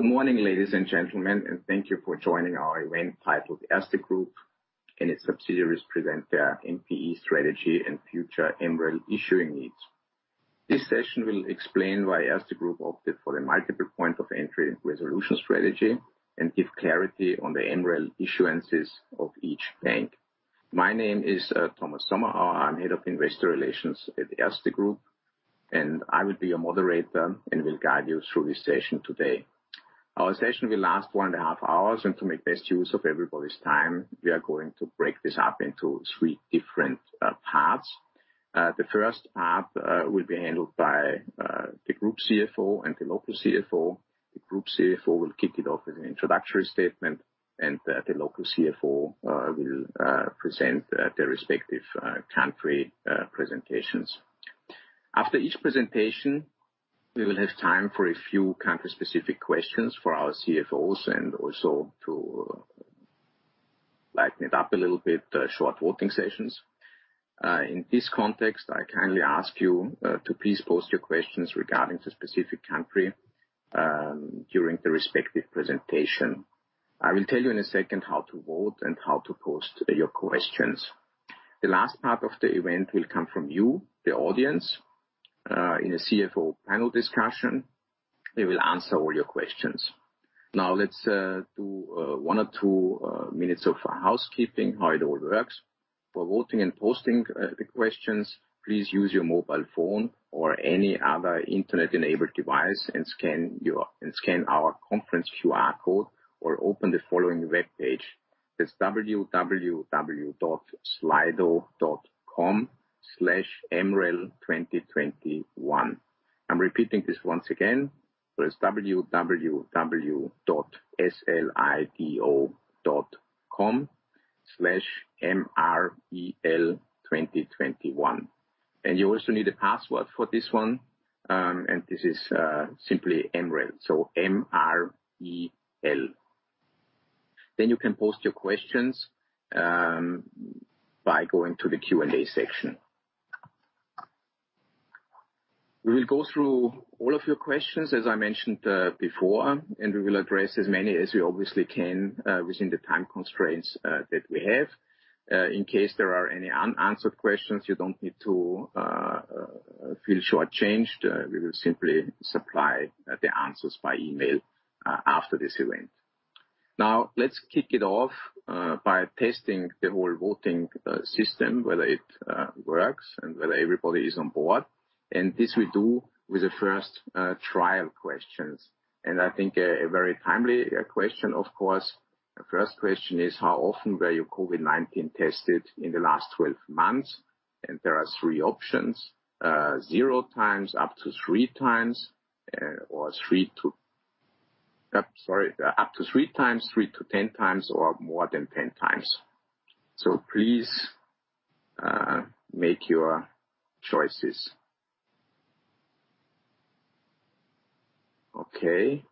Good morning, ladies and gentlemen, and thank you for joining our event titled Erste Group and its subsidiaries present their MPE strategy and future MREL issuing needs. This session will explain why Erste Group opted for the multiple point of entry and resolution strategy and give clarity on the MREL issuances of each bank. My name is Thomas Sommerauer. I'm head of investor relations at Erste Group, and I will be your moderator and will guide you through this session today. Our session will last one and a half hours. To make best use of everybody's time, we are going to break this up into three different parts. The first part will be handled by the Group CFO and the Local CFO. The Group CFO will kick it off with an introductory statement. The Local CFO will present their respective country presentations. After each presentation, we will have time for a few country-specific questions for our CFOs and also to lighten it up a little bit, short voting sessions. In this context, I kindly ask you to please post your questions regarding the specific country, during the respective presentation. I will tell you in a second how to vote and how to post your questions. The last part of the event will come from you, the audience, in a CFO panel discussion. We will answer all your questions. Let's do one or two minutes of housekeeping, how it all works. For voting and posting the questions, please use your mobile phone or any other internet-enabled device and scan our conference QR code or open the following webpage. It's www.slido.com/mrel2021. I'm repeating this once again. It's www.slido.com/mrel2021. You also need a password for this one. This is simply MREL, so MREL. You can post your questions by going to the Q&A section. We will go through all of your questions, as I mentioned before, and we will address as many as we obviously can within the time constraints that we have. In case there are any unanswered questions, you don't need to feel short-changed. We will simply supply the answers by email after this event. Let's kick it off by testing the whole voting system, whether it works and whether everybody is on board. This we do with the first trial questions. I think a very timely question, of course. The first question is, how often were you COVID-19 tested in the last 12 months? There are three options, zero times, up to three times, 3x to 10x, or more than 10x. Please make your choices. Okay.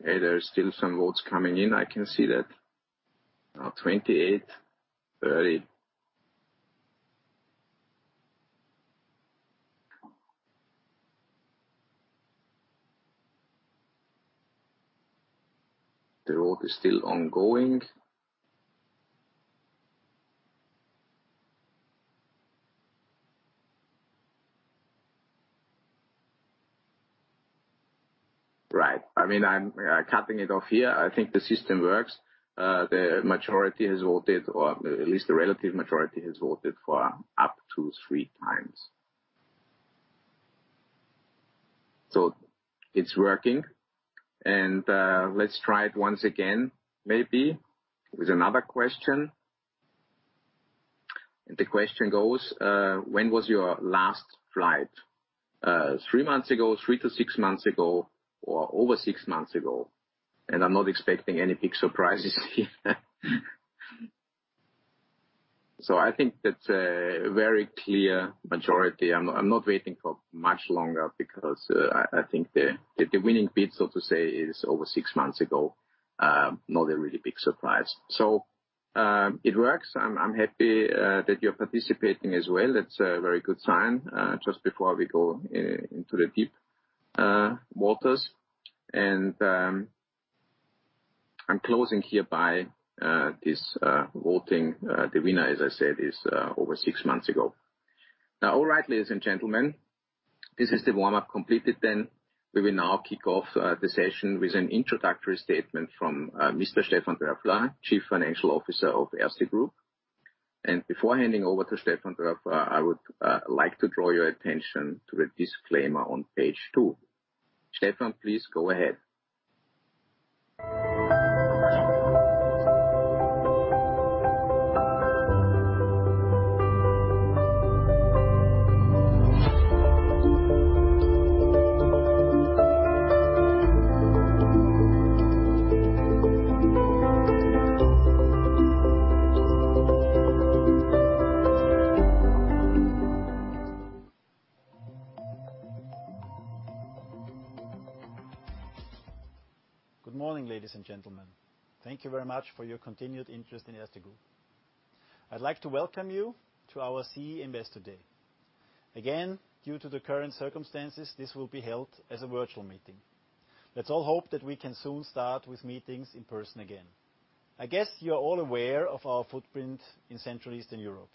Okay, there's still some votes coming in. I can see that. 28, 30. The vote is still ongoing. I'm cutting it off here. I think the system works. The majority has voted, or at least the relative majority has voted for up to 3x. It's working. Let's try it once again, maybe, with another question. The question goes, when was your last flight? Three months ago, three to six months ago, or over six months ago. I'm not expecting any big surprises here. I think that's a very clear majority. I'm not waiting for much longer because I think the winning bid, so to say, is over six months ago. Not a really big surprise. It works. I'm happy that you're participating as well. It's a very good sign, just before we go into the deep waters. I'm closing hereby this voting. The winner, as I said, is over six months ago. All right, ladies and gentlemen, this is the warm-up completed then. We will now kick off the session with an introductory statement from Mr. Stefan Dörfler, Chief Financial Officer of Erste Group. Before handing over to Stefan Dörfler, I would like to draw your attention to the disclaimer on page two. Stefan, please go ahead. Good morning, ladies and gentlemen. Thank you very much for your continued interest in Erste Group. I'd like to welcome you to our CEE Investor Day. Again, due to the current circumstances, this will be held as a virtual meeting. Let's all hope that we can soon start with meetings in person again. I guess you're all aware of our footprint in Central Eastern Europe.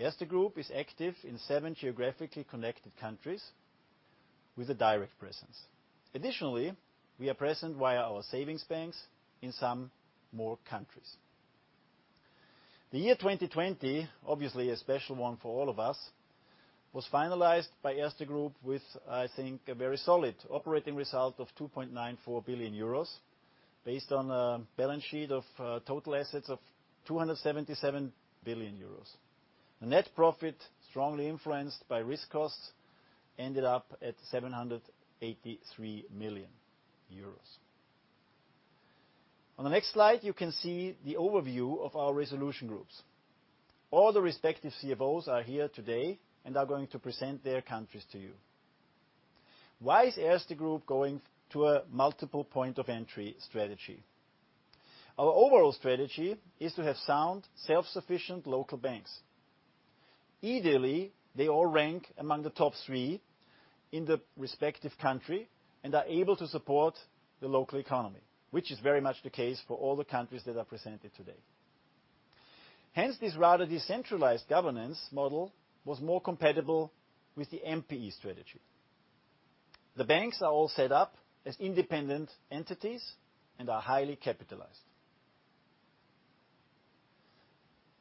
Erste Group is active in seven geographically connected countries with a direct presence. Additionally, we are present via our savings banks in some more countries. The year 2020, obviously a special one for all of us, was finalized by Erste Group with, I think, a very solid operating result of 2.94 billion euros, based on a balance sheet of total assets of 277 billion euros. The net profit, strongly influenced by risk costs, ended up at 783 million euros. On the next slide, you can see the overview of our resolution groups. All the respective CFOs are here today and are going to present their countries to you. Why is Erste Group going to a multiple point of entry strategy? Our overall strategy is to have sound, self-sufficient local banks. Ideally, they all rank among the top three in the respective country and are able to support the local economy, which is very much the case for all the countries that are presented today. Hence, this rather decentralized governance model was more compatible with the MPE strategy. The banks are all set up as independent entities and are highly capitalized.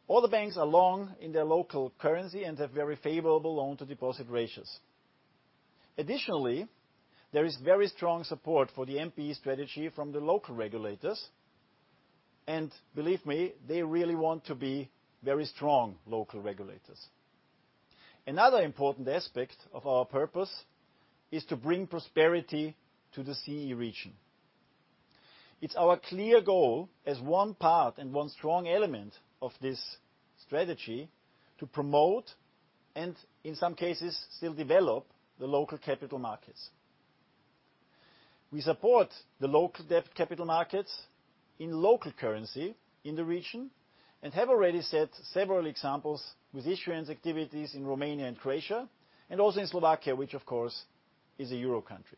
All the banks are long in their local currency and have very favorable loan-to-deposit ratios. Additionally, there is very strong support for the MPE strategy from the local regulators, and believe me, they really want to be very strong local regulators. Another important aspect of our purpose is to bring prosperity to the CEE region. It's our clear goal as one part and one strong element of this strategy to promote, and in some cases still develop, the local capital markets. We support the local debt capital markets in local currency in the region and have already set several examples with issuance activities in Romania and Croatia, and also in Slovakia, which of course is a euro country.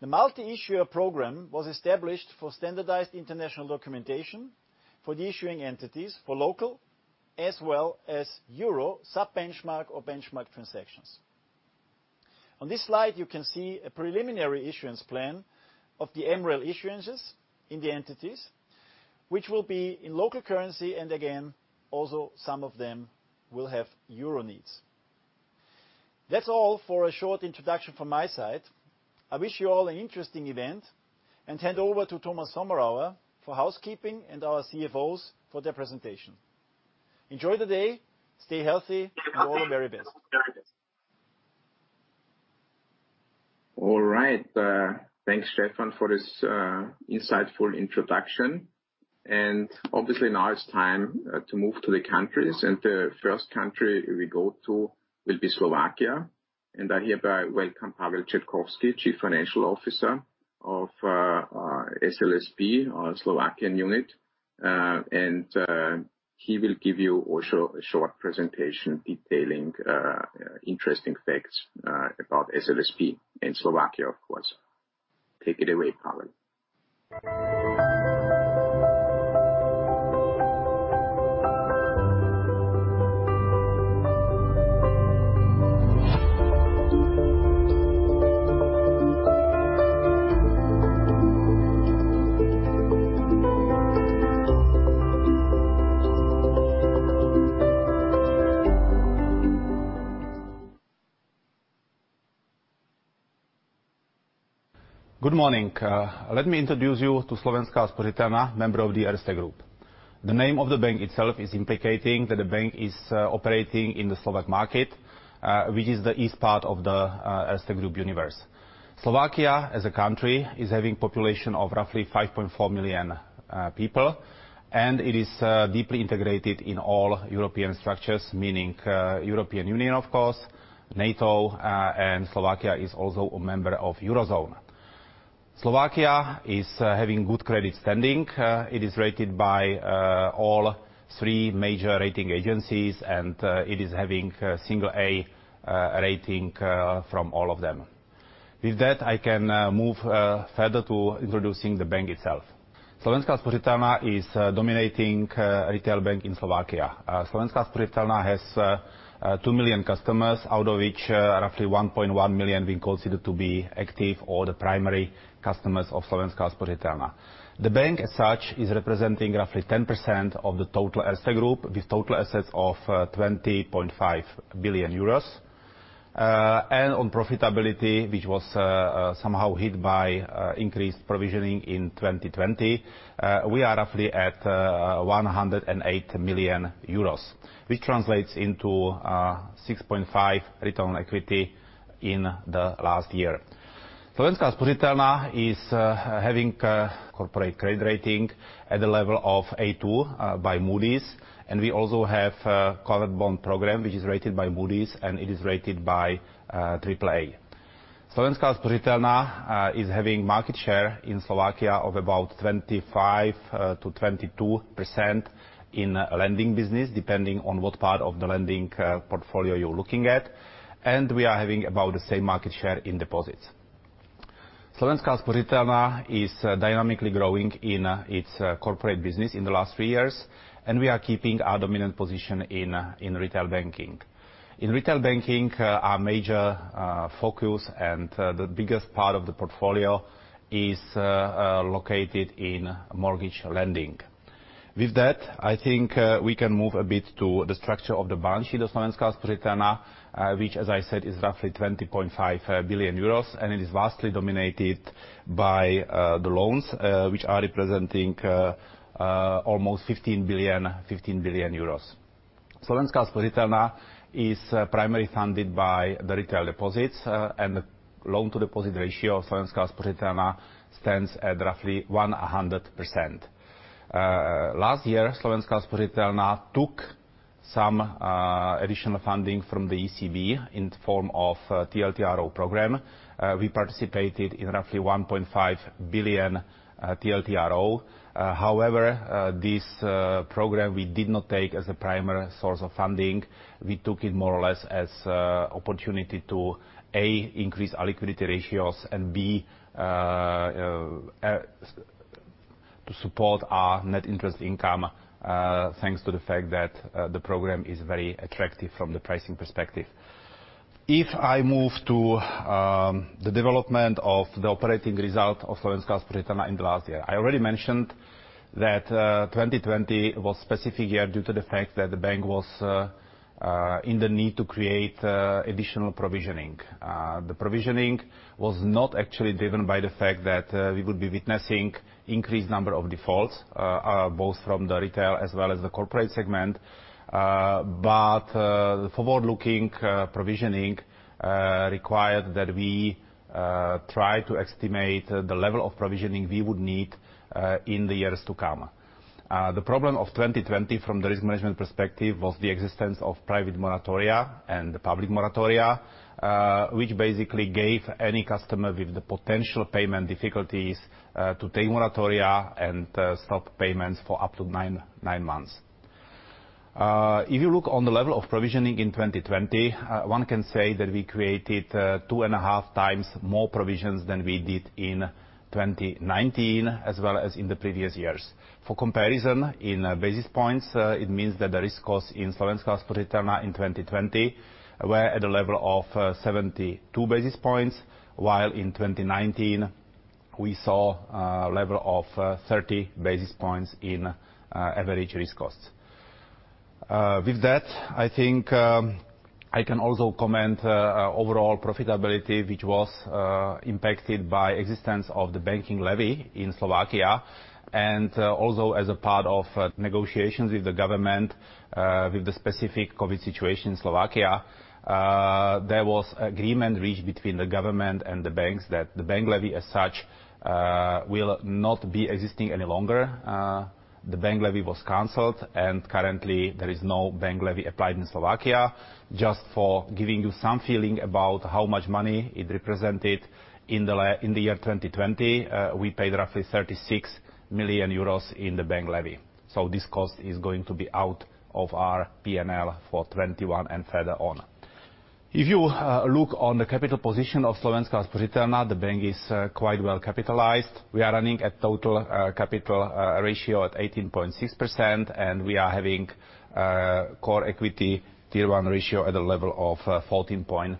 The multi-issuer program was established for standardized international documentation for the issuing entities for local as well as euro sub-benchmark or benchmark transactions. On this slide, you can see a preliminary issuance plan of the MREL issuances in the entities, which will be in local currency, and again, also some of them will have euro needs. That is all for a short introduction from my side. I wish you all an interesting event and hand over to Thomas Sommerauer for housekeeping and our CFOs for their presentation. Enjoy the day, stay healthy, and all the very best. All right. Thanks, Stefan, for this insightful introduction. Obviously now it's time to move to the countries, and the first country we go to will be Slovakia. I hereby welcome Pavel Cetkovský, Chief Financial Officer of SLSP, our Slovakian unit. He will give you also a short presentation detailing interesting facts about SLSP in Slovakia, of course. Take it away, Pavel. Good morning. Let me introduce you to Slovenská sporiteľňa, member of the Erste Group. The name of the bank itself is implicating that the bank is operating in the Slovak market, which is the east part of the Erste Group universe. Slovakia as a country is having population of roughly 5.4 million people, and it is deeply integrated in all European structures, meaning European Union, of course, NATO, and Slovakia is also a member of Eurozone. Slovakia is having good credit standing. It is rated by all three major rating agencies, and it is having single A rating from all of them. With that, I can move further to introducing the bank itself. Slovenská sporiteľňa is dominating retail bank in Slovakia. Slovenská sporiteľňa has 2 million customers, out of which roughly 1.1 million we consider to be active or the primary customers of Slovenská sporiteľňa. The bank as such is representing roughly 10% of the total Erste Group, with total assets of 20.5 billion euros. On profitability, which was somehow hit by increased provisioning in 2020, we are roughly at 108 million euros, which translates into 6.5% return on equity in the last year. Slovenská sporiteľňa is having corporate credit rating at the level of A2 by Moody's, and we also have a covered bond program, which is rated by Moody's, and it is rated by AAA. Slovenská sporiteľňa is having market share in Slovakia of about 25%-22% in lending business, depending on what part of the lending portfolio you're looking at. We are having about the same market share in deposits. Slovenská sporiteľňa is dynamically growing in its corporate business in the last three years, and we are keeping our dominant position in retail banking. In retail banking, our major focus and the biggest part of the portfolio is located in mortgage lending. With that, I think we can move a bit to the structure of the balance sheet of Slovenská sporiteľňa, which as I said, is roughly 20.5 billion euros and it is vastly dominated by the loans, which are representing almost EUR 15 billion. Slovenská sporiteľňa is primarily funded by the retail deposits, and the loan-to-deposit ratio of Slovenská sporiteľňa stands at roughly 100%. Last year, Slovenská sporiteľňa took some additional funding from the ECB in the form of TLTRO program. We participated in roughly 1.5 billion TLTRO. However, this program, we did not take as a primary source of funding. We took it more or less as opportunity to, A, increase our liquidity ratios, and B, to support our net interest income, thanks to the fact that the program is very attractive from the pricing perspective. If I move to the development of the operating result of Slovenská sporiteľňa in the last year. I already mentioned that 2020 was specific year due to the fact that the bank was in the need to create additional provisioning. The provisioning was not actually driven by the fact that we would be witnessing increased number of defaults, both from the retail as well as the corporate segment. The forward-looking provisioning required that we try to estimate the level of provisioning we would need in the years to come. The problem of 2020 from the risk management perspective was the existence of private moratoria and the public moratoria, which basically gave any customer with the potential payment difficulties, to take moratoria and stop payments for up to nine months. If you look on the level of provisioning in 2020, one can say that we created 2.5x more provisions than we did in 2019, as well as in the previous years. For comparison, in basis points, it means that the risk cost in Slovenská sporiteľňa in 2020 were at a level of 72 basis points, while in 2019 we saw a level of 30 basis points in average risk costs. With that, I think I can also comment overall profitability, which was impacted by existence of the banking levy in Slovakia. Also as a part of negotiations with the government, with the specific COVID situation in Slovakia, there was agreement reached between the government and the banks that the bank levy as such, will not be existing any longer. The bank levy was canceled. Currently there is no bank levy applied in Slovakia. Just for giving you some feeling about how much money it represented in the year 2020, we paid roughly 36 million euros in the bank levy. This cost is going to be out of our P&L for 2021 and further on. If you look on the capital position of Slovenská sporiteľňa, the bank is quite well capitalized. We are running a total capital ratio at 18.6%, and we are having core equity Tier 1 ratio at a level of 14.5%.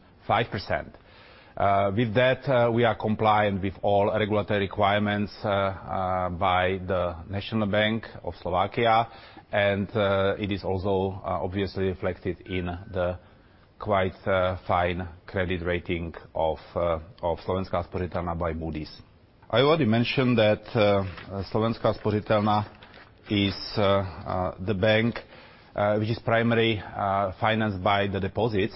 With that, we are compliant with all regulatory requirements by the National Bank of Slovakia. It is also obviously reflected in the quite fine credit rating of Slovenská sporiteľňa by Moody's. I already mentioned that Slovenská sporiteľňa is the bank, which is primary financed by the deposits.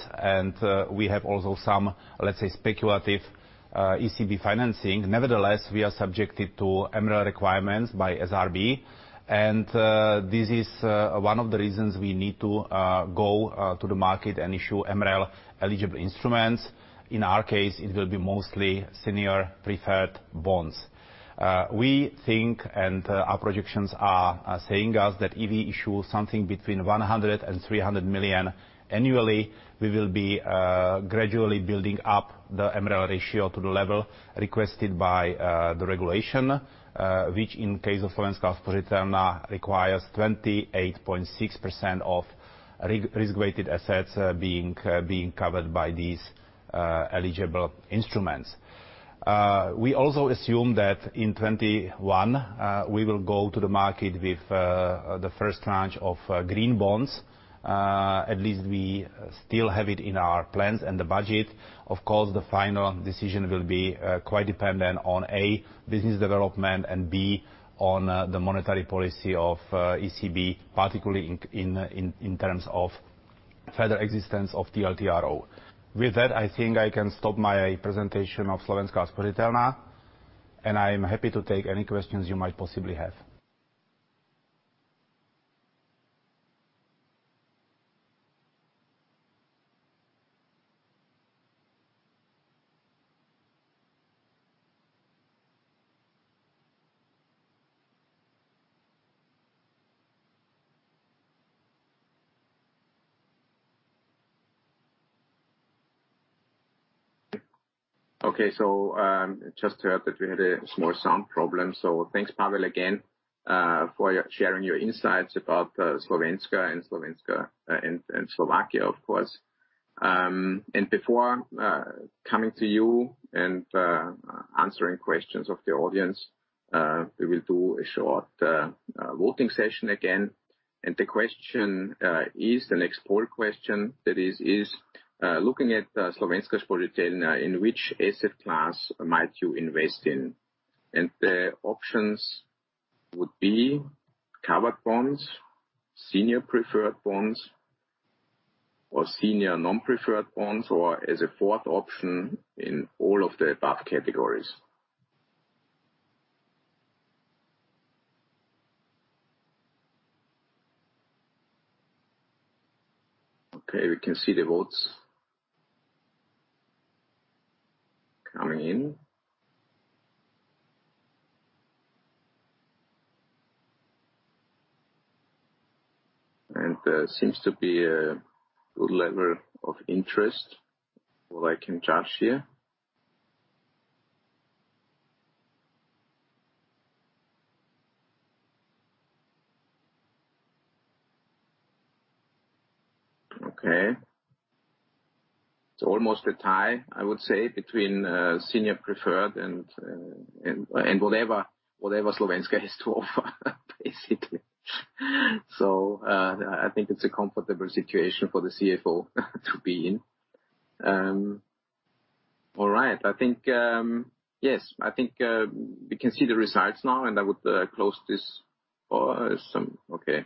We have also some, let's say, speculative ECB financing. Nevertheless, we are subjected to MREL requirements by SRB. This is one of the reasons we need to go to the market and issue MREL eligible instruments. In our case, it will be mostly senior preferred bonds. We think, and our projections are saying us, that if we issue something between 100 million and 300 million annually, we will be gradually building up the MREL ratio to the level requested by the regulation, which in case of Slovenská sporiteľňa, requires 28.6% of risk-weighted assets being covered by these eligible instruments. We also assume that in 2021, we will go to the market with the first tranche of green bonds. At least we still have it in our plans and the budget. Of course, the final decision will be quite dependent on, A, business development, and B, on the monetary policy of ECB, particularly in terms of further existence of TLTRO. With that, I think I can stop my presentation of Slovenská sporiteľňa, and I'm happy to take any questions you might possibly have. Just heard that we had a small sound problem. Thanks, Pavel, again for sharing your insights about Slovenska and Slovakia, of course. Before coming to you and answering questions of the audience, we will do a short voting session again, and the next poll question that is: Looking at Slovenská sporiteľňa, in which asset class might you invest in? The options would be covered bonds, senior preferred bonds, or senior non-preferred bonds, or as a fourth option, in all of the above categories. We can see the votes coming in. Seems to be a good level of interest from what I can judge here. It's almost a tie, I would say, between senior preferred and whatever Slovenska has to offer, basically. I think it's a comfortable situation for the CFO to be in. I think we can see the results now. Okay.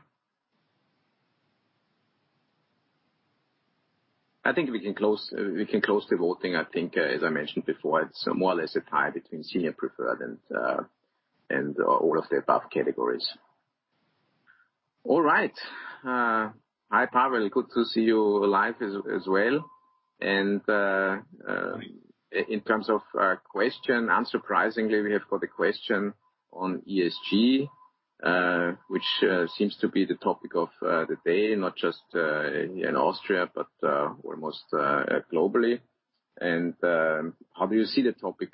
I think we can close the voting. I think, as I mentioned before, it's more or less a tie between senior preferred and all of the above categories. All right. Hi, Pavel. Good to see you live as well. In terms of question, unsurprisingly, we have got a question on ESG, which seems to be the topic of the day, not just in Austria, but almost globally. How do you see the topic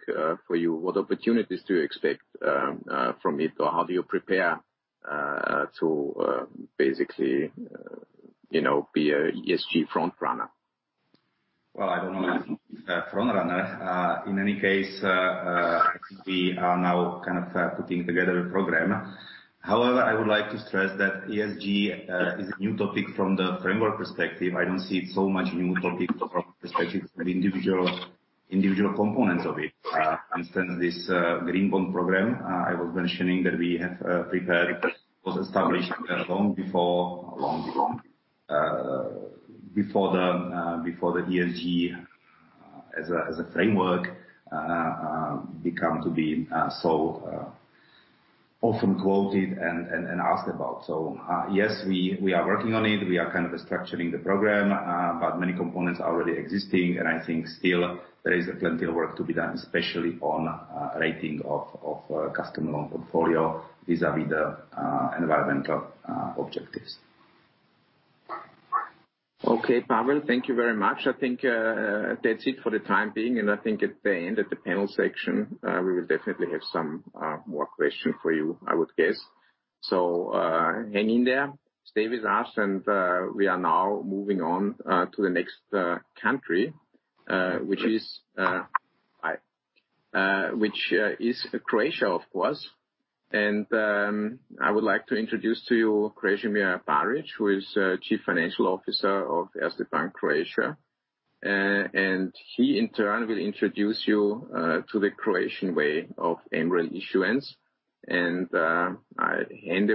for you? What opportunities do you expect from it, or how do you prepare to basically be a ESG frontrunner? Well, I don't know about frontrunner. In any case, I think we are now kind of putting together a program. I would like to stress that ESG is a new topic from the framework perspective. I don't see it so much new topic from perspective of individual components of it. For instance, this green bond program I was mentioning that we have prepared, was established long before the ESG as a framework become to be so often quoted and asked about. Yes, we are working on it. We are kind of structuring the program, but many components are already existing, and I think still there is plenty of work to be done, especially on rating of customer loan portfolio vis-à-vis the environmental objectives. Okay, Pavel. Thank you very much. I think that's it for the time being, I think at the end of the panel section, we will definitely have some more question for you, I would guess. Hang in there, stay with us, and we are now moving on to the next country, which is Croatia, of course. I would like to introduce to you Krešimir Barić, who is Chief Financial Officer of Erste Bank Croatia. He, in turn, will introduce you to the Croatian way of MREL issuance, and I hand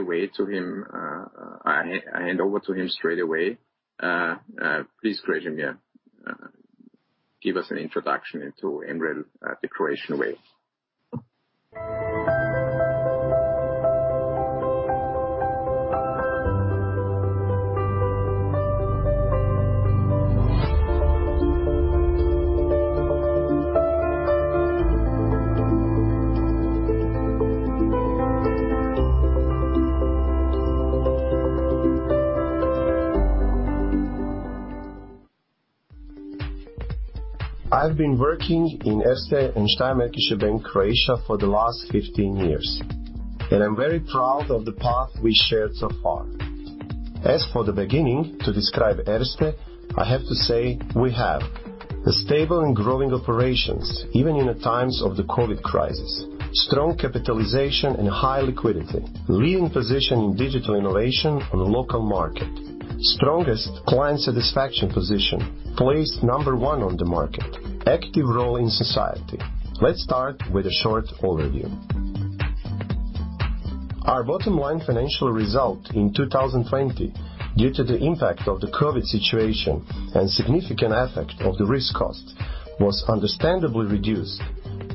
over to him straight away. Please, Krešimir, give us an introduction into MREL the Croatian way. I've been working in Erste & Steiermärkische Bank Croatia for the last 15 years, and I'm very proud of the path we shared so far. As for the beginning, to describe Erste, I have to say we have the stable and growing operations, even in the times of the COVID crisis. Strong capitalization and high liquidity. Leading position in digital innovation on the local market. Strongest client satisfaction position, placed number one on the market. Active role in society. Let's start with a short overview. Our bottom line financial result in 2020, due to the impact of the COVID situation and significant effect of the risk cost, was understandably reduced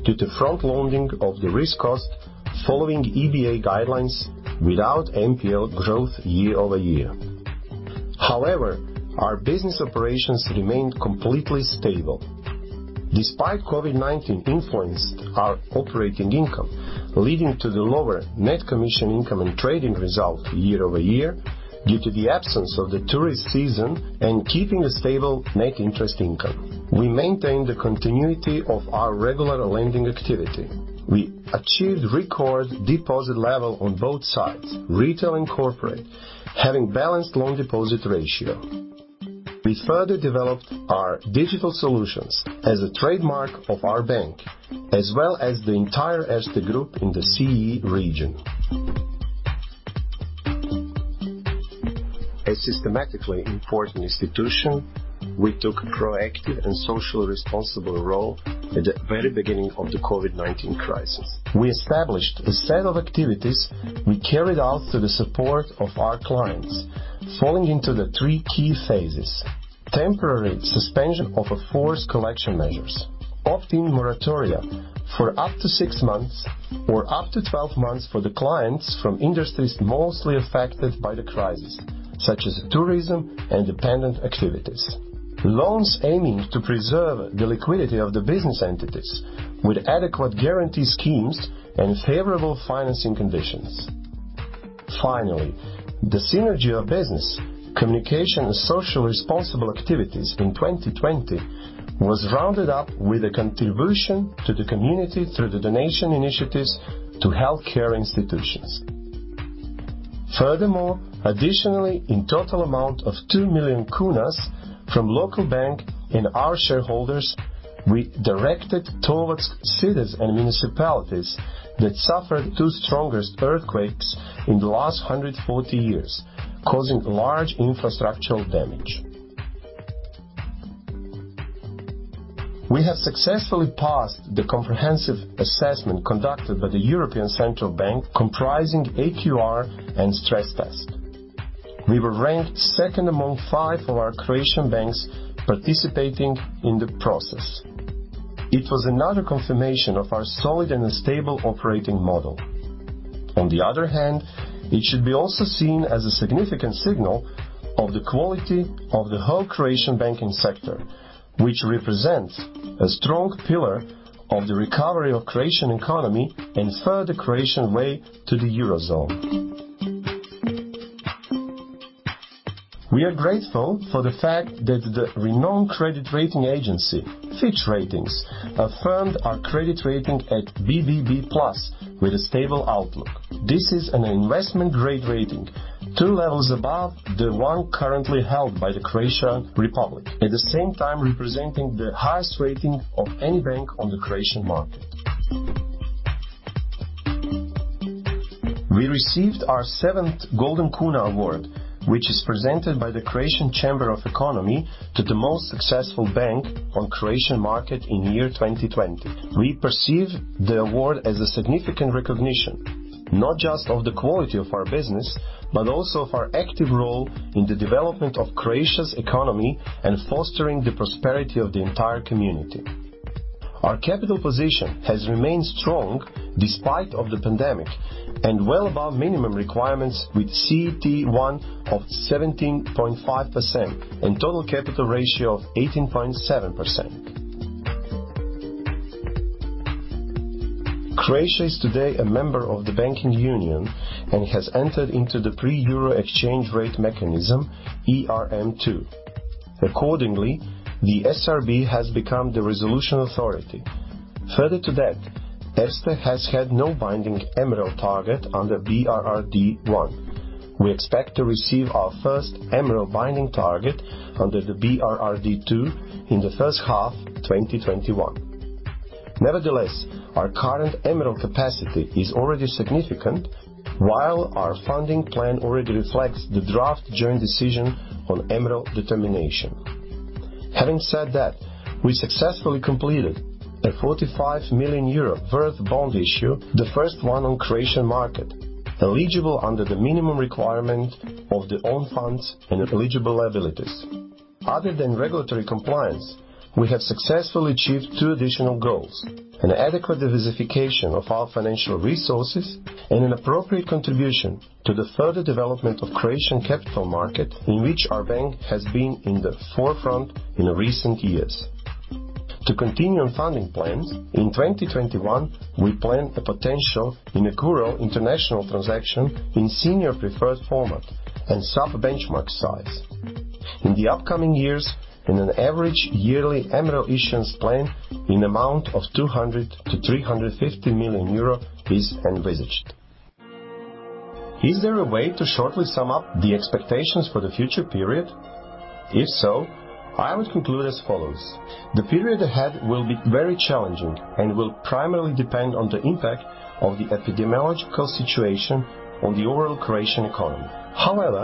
due to front-loading of the risk cost following EBA guidelines without NPL growth year-over-year. However, our business operations remained completely stable. Despite COVID-19 influenced our operating income, leading to the lower net commission income and trading result year-over-year, due to the absence of the tourist season and keeping a stable net interest income. We maintained the continuity of our regular lending activity. We achieved record deposit level on both sides, retail and corporate, having balanced loan deposit ratio. We further developed our digital solutions as a trademark of our bank, as well as the entire Erste Group in the CE region. As a systemically important institution, we took a proactive and socially responsible role at the very beginning of the COVID-19 crisis. We established a set of activities we carried out to the support of our clients, falling into the three key phases. Temporary suspension of a forced collection measures, opt-in moratoria for up to six months or up to 12 months for the clients from industries mostly affected by the crisis, such as tourism and dependent activities. Loans aiming to preserve the liquidity of the business entities with adequate guarantee schemes and favorable financing conditions. Finally, the synergy of business, communication and social responsible activities in 2020 was rounded up with a contribution to the community through the donation initiatives to healthcare institutions. Furthermore, additionally, in total amount of 2 million HRK from local bank and our shareholders, we directed towards cities and municipalities that suffered two strongest earthquakes in the last 140 years, causing large infrastructural damage. We have successfully passed the comprehensive assessment conducted by the European Central Bank, comprising AQR and stress test. We were ranked second among five of our Croatian banks participating in the process. It was another confirmation of our solid and stable operating model. On the other hand, it should be also seen as a significant signal of the quality of the whole Croatian banking sector, which represents a strong pillar of the recovery of Croatian economy and further Croatian way to the Eurozone. We are grateful for the fact that the renowned credit rating agency, Fitch Ratings, affirmed our credit rating at BBB+ with a stable outlook. This is an investment grade rating, two levels above the one currently held by the Republic of Croatia, at the same time representing the highest rating of any bank on the Croatian market. We received our seventh Golden Kuna award, which is presented by the Croatian Chamber of Economy to the most successful bank on Croatian market in year 2020. We perceive the award as a significant recognition, not just of the quality of our business, but also of our active role in the development of Croatia's economy and fostering the prosperity of the entire community. Our capital position has remained strong despite of the pandemic and well above minimum requirements with CET1 of 17.5% and total capital ratio of 18.7%. Croatia is today a member of the banking union and has entered into the pre-euro exchange rate mechanism, ERM II. Accordingly, the SRB has become the resolution authority. Further to that, Erste has had no binding MREL target under BRRD 1. We expect to receive our first MREL binding target under the BRRD 2 in the first half 2021. Nevertheless, our current MREL capacity is already significant, while our funding plan already reflects the draft joint decision on MREL determination. Having said that, we successfully completed a 45 million euro worth bond issue, the first one on Croatian market, eligible under the Minimum Requirement for Own Funds and Eligible Liabilities. Other than regulatory compliance, we have successfully achieved two additional goals: an adequate diversification of our financial resources and an appropriate contribution to the further development of Croatian capital market, in which our bank has been in the forefront in recent years. To continue on funding plans, in 2021, we plan a potential in euro international transaction in senior preferred format and sub-benchmark size. In the upcoming years, in an average yearly MREL issuance plan in amount of 200 million-350 million euro is envisaged. Is there a way to shortly sum up the expectations for the future period? If so, I would conclude as follows: The period ahead will be very challenging and will primarily depend on the impact of the epidemiological situation on the overall Croatian economy. However,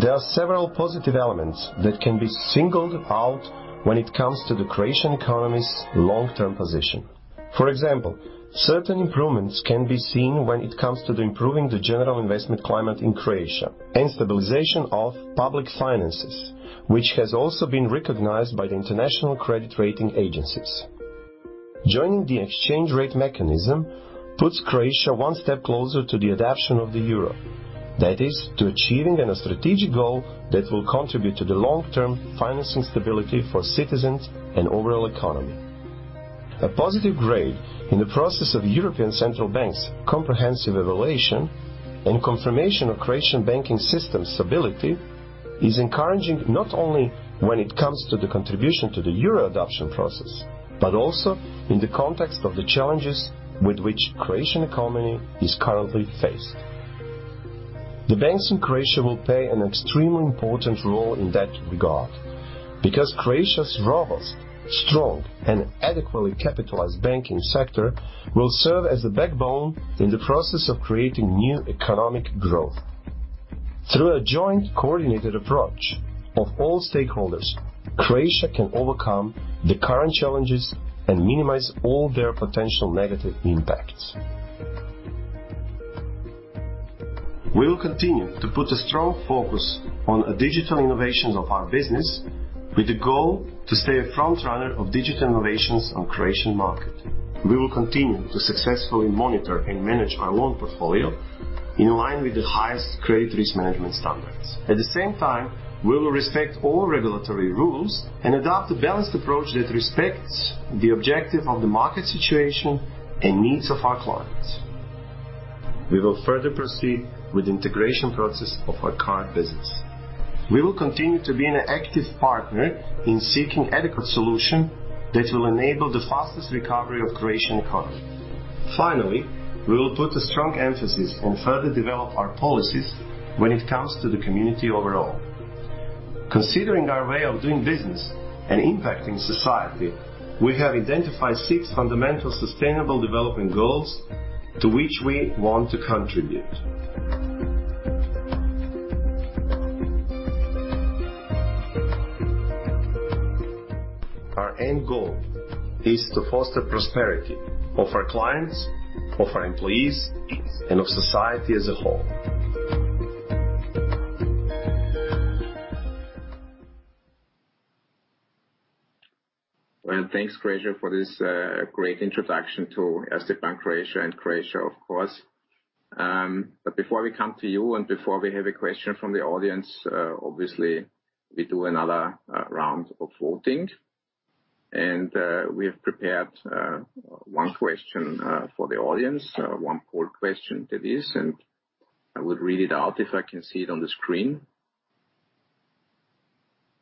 there are several positive elements that can be singled out when it comes to the Croatian economy's long term position. For example, certain improvements can be seen when it comes to improving the general investment climate in Croatia and stabilization of public finances, which has also been recognized by the international credit rating agencies. Joining the exchange rate mechanism puts Croatia one step closer to the adoption of the euro. That is, to achieving a strategic goal that will contribute to the long-term financing stability for citizens and overall economy. A positive grade in the process of the European Central Bank's comprehensive evaluation and confirmation of Croatian banking system stability is encouraging, not only when it comes to the contribution to the euro adoption process, but also in the context of the challenges with which Croatian economy is currently faced. The banks in Croatia will play an extremely important role in that regard because Croatia's robust, strong, and adequately capitalized banking sector will serve as the backbone in the process of creating new economic growth. Through a joint coordinated approach of all stakeholders, Croatia can overcome the current challenges and minimize all their potential negative impacts. We will continue to put a strong focus on digital innovations of our business with the goal to stay a frontrunner of digital innovations on Croatian market. We will continue to successfully monitor and manage our loan portfolio in line with the highest credit risk management standards. At the same time, we will respect all regulatory rules and adopt a balanced approach that respects the objective of the market situation and needs of our clients. We will further proceed with the integration process of our current business. We will continue to be an active partner in seeking adequate solution that will enable the fastest recovery of Croatian economy. Finally, we will put a strong emphasis on further develop our policies when it comes to the community overall. Considering our way of doing business and impacting society, we have identified six fundamental sustainable development goals to which we want to contribute. Our end goal is to foster prosperity of our clients, of our employees, and of society as a whole. Well, thanks, Krešimir, for this great introduction to Erste Bank Croatia and Croatia, of course. Before we come to you and before we have a question from the audience, obviously, we do another round of voting, and we have prepared one question for the audience, one poll question that is. I would read it out if I can see it on the screen.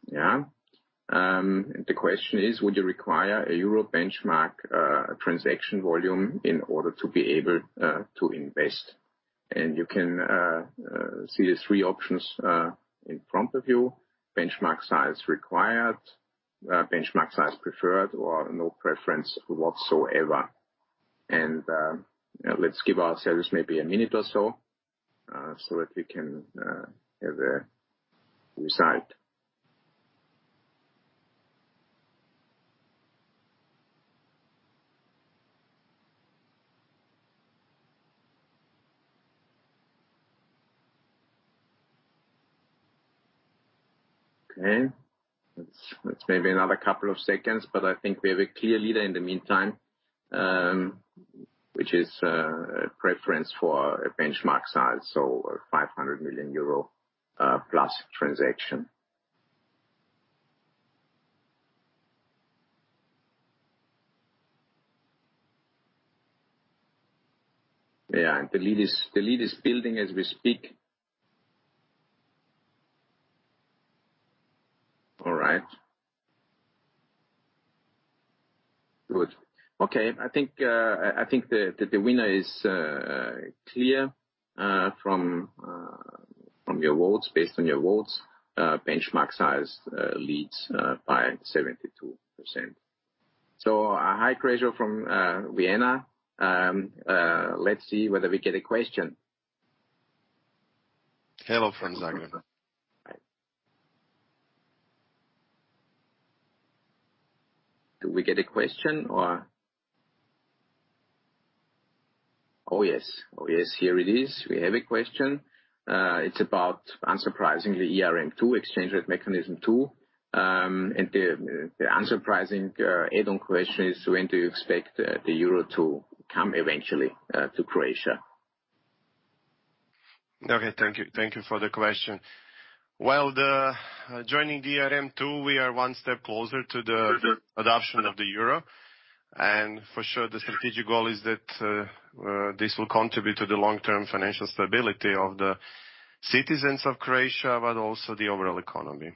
Yeah. The question is: would you require a euro benchmark transaction volume in order to be able to invest? You can see the three options in front of you. Benchmark size required, benchmark size preferred, or no preference whatsoever. Let's give ourselves maybe a minute or so that we can have a result. Okay. I think we have a clear leader in the meantime, which is a preference for a benchmark size, so a 500 million euro plus transaction. Yeah, the lead is building as we speak. All right. Good. Okay. I think the winner is clear from your votes, based on your votes. Benchmark size leads by 72%. Hi, Krešimir, from Vienna. Let's see whether we get a question. Hello from Zagreb. Do we get a question? Oh, yes. Here it is. We have a question. It's about, unsurprisingly, ERM II, Exchange Rate Mechanism II. The unsurprising add-on question is: when do you expect the euro to come eventually to Croatia? Okay. Thank you for the question. Well, joining the ERM II, we are one step closer to the adoption of the euro, and for sure the strategic goal is that this will contribute to the long-term financial stability of the citizens of Croatia, but also the overall economy.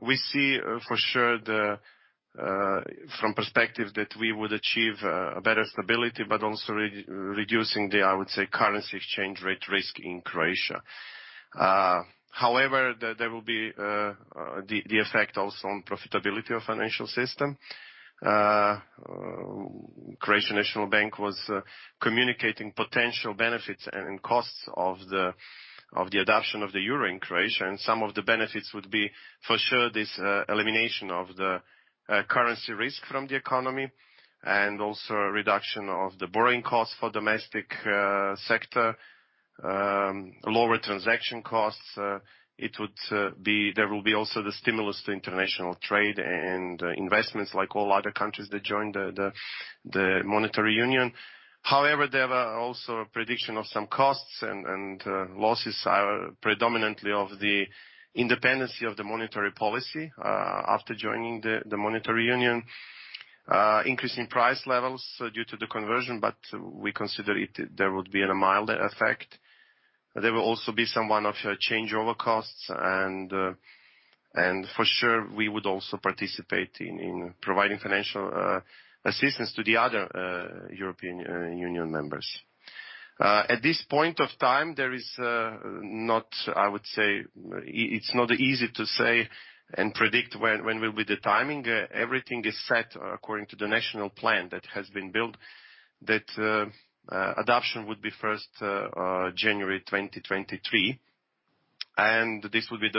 We see for sure from perspective that we would achieve a better stability, but also reducing the, I would say, currency exchange rate risk in Croatia. However, there will be the effect also on profitability of financial system. Croatian National Bank was communicating potential benefits and costs of the adoption of the euro in Croatia, and some of the benefits would be, for sure, this elimination of the currency risk from the economy and also a reduction of the borrowing costs for domestic sector. Lower transaction costs. There will be also the stimulus to international trade and investments, like all other countries that joined the monetary union. However, there were also a prediction of some costs and losses are predominantly of the independence of the monetary policy after joining the monetary union. Increase in price levels due to the conversion, we consider there would be a milder effect. There will also be some one-off changeover costs and for sure, we would also participate in providing financial assistance to the other European Union members. At this point of time, I would say, it's not easy to say and predict when will be the timing. Everything is set according to the national plan that has been built, that adoption would be 1st January 2023, this would be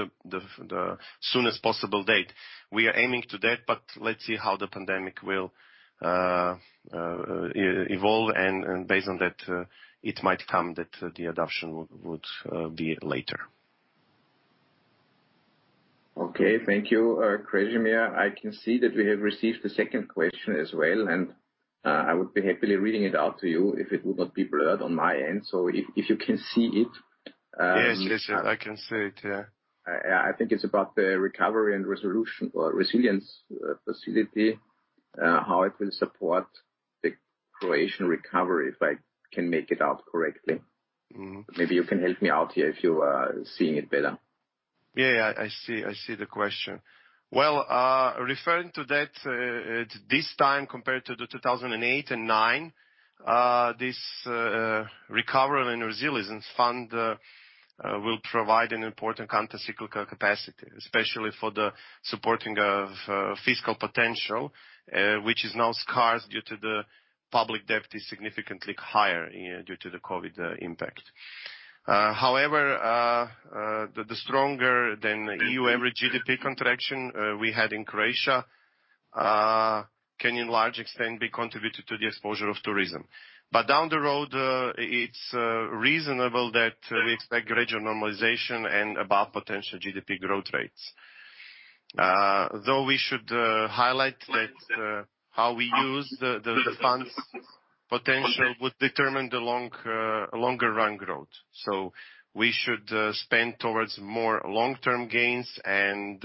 the soonest possible date. We are aiming to that, but let's see how the pandemic will evolve, and based on that, it might come that the adoption would be later. Okay. Thank you, Krešimir. I can see that we have received a second question as well, and I would be happily reading it out to you if it would not be blurred on my end. If you can see it. Yes, I can see it. Yeah. I think it's about the Recovery and Resilience Facility, how it will support the Croatian recovery, if I can make it out correctly. Maybe you can help me out here if you are seeing it better. I see the question. Well, referring to that, this time compared to the 2008 and 2009, this recovery and resilience fund will provide an important counter-cyclical capacity, especially for the supporting of fiscal potential, which is now scarce due to the public debt is significantly higher due to the COVID-19 impact. However, the stronger than E.U. average GDP contraction we had in Croatia can in large extent be contributed to the exposure of tourism. Down the road, it's reasonable that we expect gradual normalization and above potential GDP growth rates. Though we should highlight that how we use the funds potential would determine the longer run growth. We should spend towards more long-term gains, and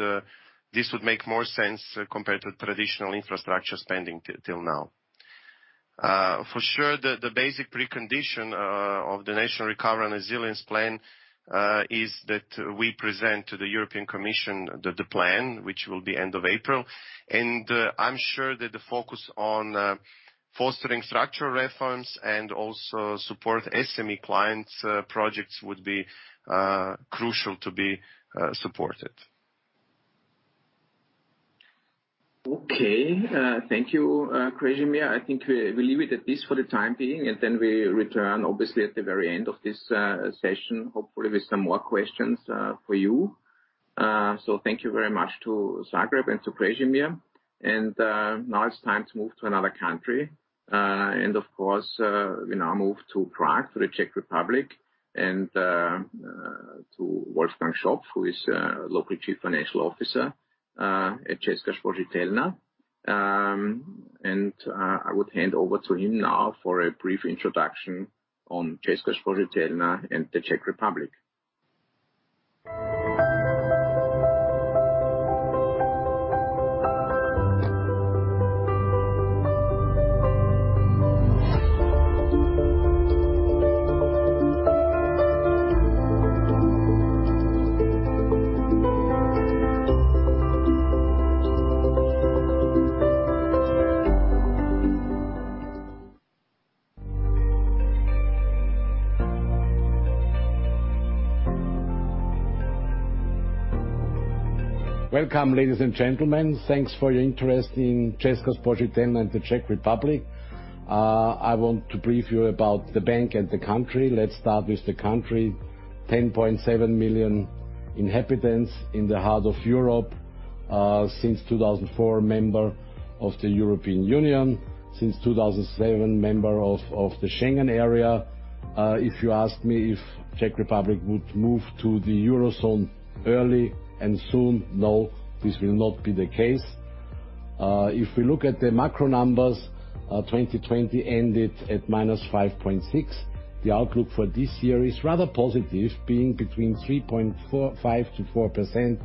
this would make more sense compared to traditional infrastructure spending till now. For sure, the basic precondition of the National Recovery and Resilience Plan is that we present to the European Commission the plan, which will be end of April. I'm sure that the focus on fostering structural reforms and also support SME client projects would be crucial to be supported. Okay. Thank you, Krešimir. I think we leave it at this for the time being, and then we return, obviously, at the very end of this session, hopefully with some more questions for you. Thank you very much to Zagreb and to Krešimir. Now it's time to move to another country. Of course, we now move to Prague, to the Czech Republic, and to Wolfgang Schopf, who is Local Chief Financial Officer at Česká spořitelna. I would hand over to him now for a brief introduction on Česká spořitelna and the Czech Republic. Welcome, ladies and gentlemen. Thanks for your interest in Česká spořitelna and the Czech Republic. I want to brief you about the bank and the country. Let's start with the country. 10.7 million inhabitants in the heart of Europe. Since 2004, member of the European Union. Since 2007, member of the Schengen Area. If you ask me if Czech Republic would move to the Eurozone early and soon, no, this will not be the case. If we look at the macro numbers, 2020 ended at -5.6. The outlook for this year is rather positive, being between 3.5%-4%.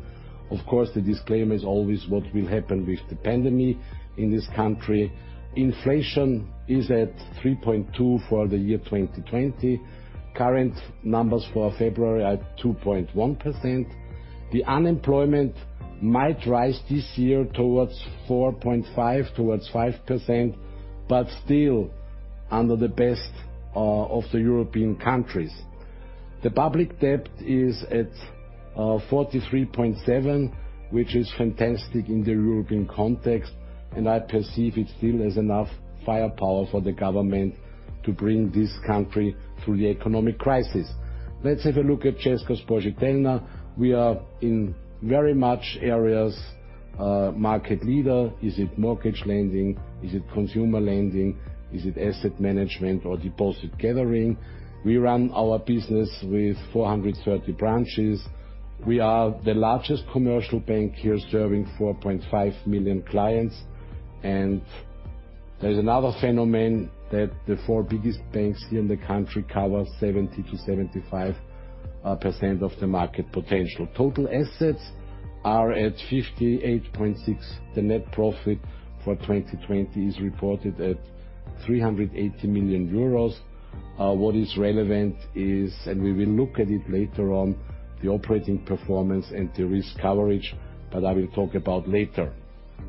Of course, the disclaimer is always what will happen with the pandemic in this country. Inflation is at 3.2% for the year 2020. Current numbers for February are 2.1%. The unemployment might rise this year towards 4.5%, towards 5%, but still under the best of the European countries. The public debt is at 43.7%, which is fantastic in the European context, and I perceive it still as enough firepower for the government to bring this country through the economic crisis. Let's have a look at Česká spořitelna. We are in very many areas, a market leader. Is it mortgage lending? Is it consumer lending? Is it asset management or deposit gathering? We run our business with 430 branches. We are the largest commercial bank here, serving 4.5 million clients. There is another phenomenon, that the four biggest banks here in the country cover 70%-75% of the market potential. Total assets are at 58.6. The net profit for 2020 is reported at 380 million euros. What is relevant is, and we will look at it later on, the operating performance and the risk coverage, but I will talk about later.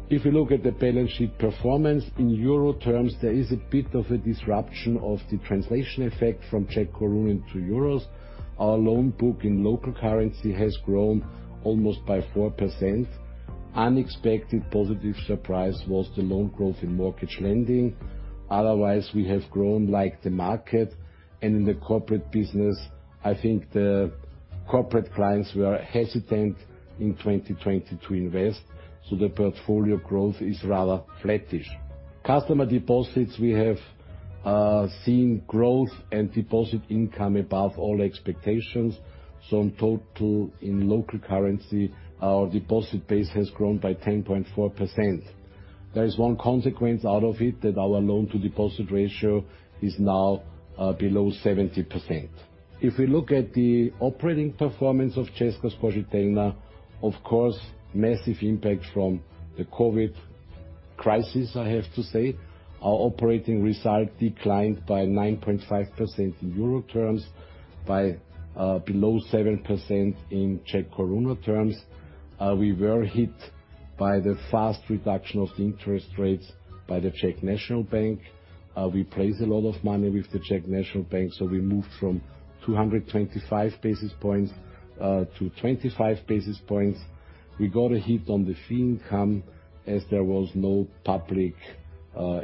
If you look at the balance sheet performance, in euro terms, there is a bit of a disruption of the translation effect from Czech koruna into euros. Our loan book in local currency has grown almost by 4%. Unexpected positive surprise was the loan growth in mortgage lending. Otherwise, we have grown like the market. In the corporate business, I think the corporate clients were hesitant in 2020 to invest, so the portfolio growth is rather flattish. Customer deposits, we have seen growth and deposit income above all expectations. In total, in local currency, our deposit base has grown by 10.4%. There is one consequence out of it, that our loan-to-deposit ratio is now below 70%. If we look at the operating performance of Česká spořitelna, of course, massive impact from the COVID-19 crisis, I have to say. Our operating result declined by 9.5% in euro terms. By below 7% in Czech koruna terms. We were hit by the fast reduction of interest rates by the Czech National Bank. We placed a lot of money with the Czech National Bank, we moved from 225 basis points to 25 basis points. We got a hit on the fee income as there was no public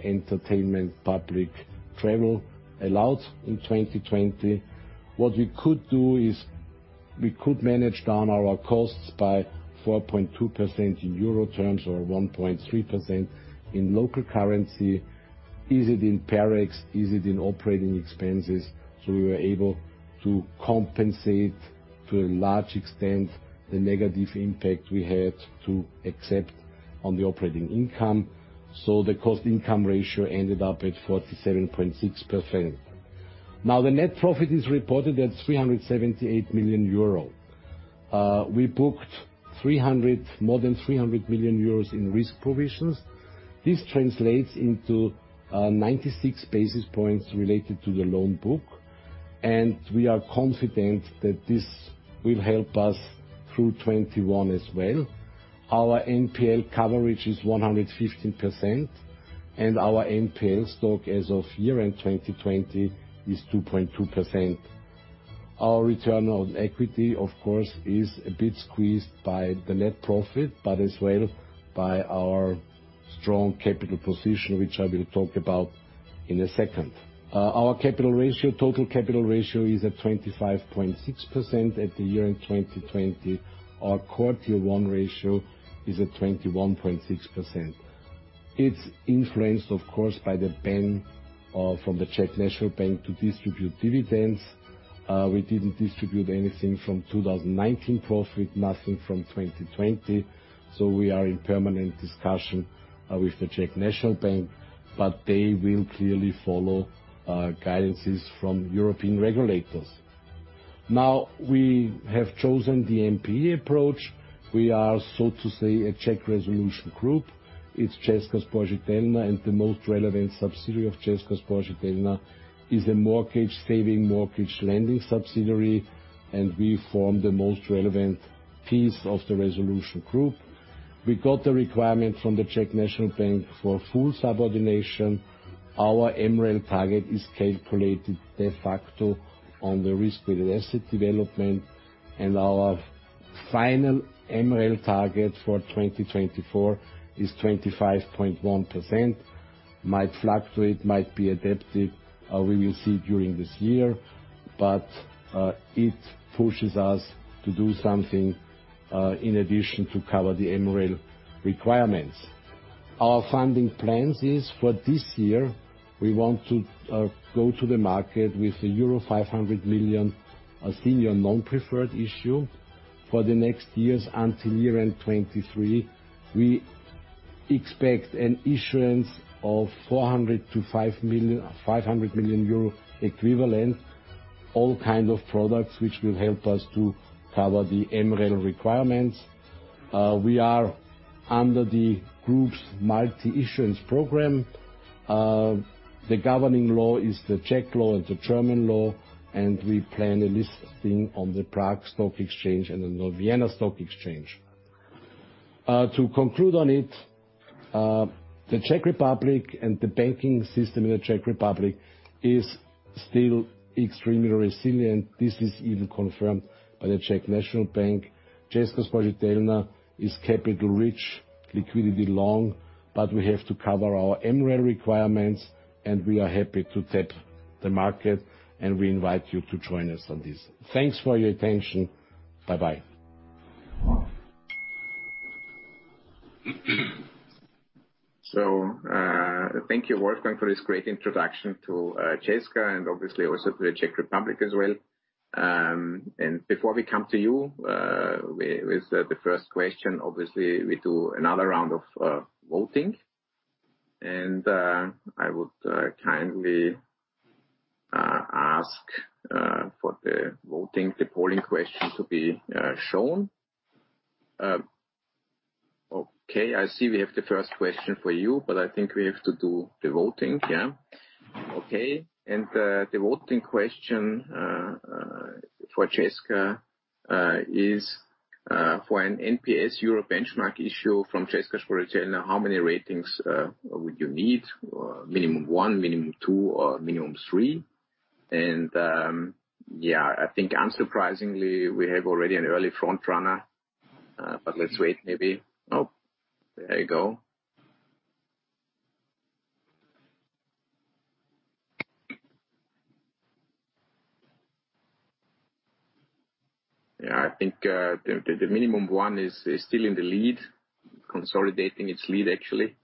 entertainment, public travel allowed in 2020. What we could do is, we could manage down our costs by 4.2% in euro terms or 1.3% in local currency, is it in PEREX, is it in operating expenses. We were able to compensate to a large extent the negative impact we had to accept on the operating income. The cost-income ratio ended up at 47.6%. Now the net profit is reported at 378 million euro. We booked more than 300 million euros in risk provisions. This translates into 96 basis points related to the loan book, and we are confident that this will help us through 2021 as well. Our NPL coverage is 115%, and our NPL stock as of year-end 2020 is 2.2%. Our return on equity, of course, is a bit squeezed by the net profit, but as well by our strong capital position, which I will talk about in a second. Our capital ratio, total capital ratio is at 25.6% at the year-end 2020. Our quarter one ratio is at 21.6%. It's influenced, of course, by the ban from the Czech National Bank to distribute dividends. We didn't distribute anything from 2019 profit, nothing from 2020. We are in permanent discussion with the Czech National Bank, but they will clearly follow guidances from European regulators. Now, we have chosen the MPE approach. We are, so to say, a Czech resolution group. It's Česká spořitelna. The most relevant subsidiary of Česká spořitelna is a mortgage saving, mortgage lending subsidiary. We form the most relevant piece of the resolution group. We got the requirement from the Czech National Bank for full subordination. Our MREL target is calculated de facto on the risk-related asset development. Our final MREL target for 2024 is 25.1%. Might fluctuate, might be adaptive. We will see during this year. It pushes us to do something, in addition to cover the MREL requirements. Our funding plans is, for this year, we want to go to the market with a euro 500 million senior non-preferred issue. For the next years, until year-end 2023, we expect an issuance of 400 million-500 million euro equivalent. All kind of products which will help us to cover the MREL requirements. We are under the group's multi-issuer program. The governing law is the Czech law and the German law, and we plan a listing on the Prague Stock Exchange and the Vienna Stock Exchange. To conclude on it, the Czech Republic and the banking system in the Czech Republic is still extremely resilient. This is even confirmed by the Czech National Bank. Česká spořitelna is capital rich, liquidity long, but we have to cover our MREL requirements, and we are happy to tap the market, and we invite you to join us on this. Thanks for your attention. Bye-bye. Thank you, Wolfgang, for this great introduction to Česká, and obviously also to the Czech Republic as well. Before we come to you with the first question, obviously we do another round of voting, and I would kindly ask for the voting, the polling question to be shown. Okay. I see we have the first question for you, but I think we have to do the voting, yeah. Okay. The voting question for Česká is, for an NPS Europe benchmark issue from Česká, how many ratings would you need? Minimum one, minimum two, or minimum three? Yeah, I think unsurprisingly, we have already an early front runner, but let's wait, maybe. There you go. Yeah, I think the minimum one is still in the lead, consolidating its lead, actually.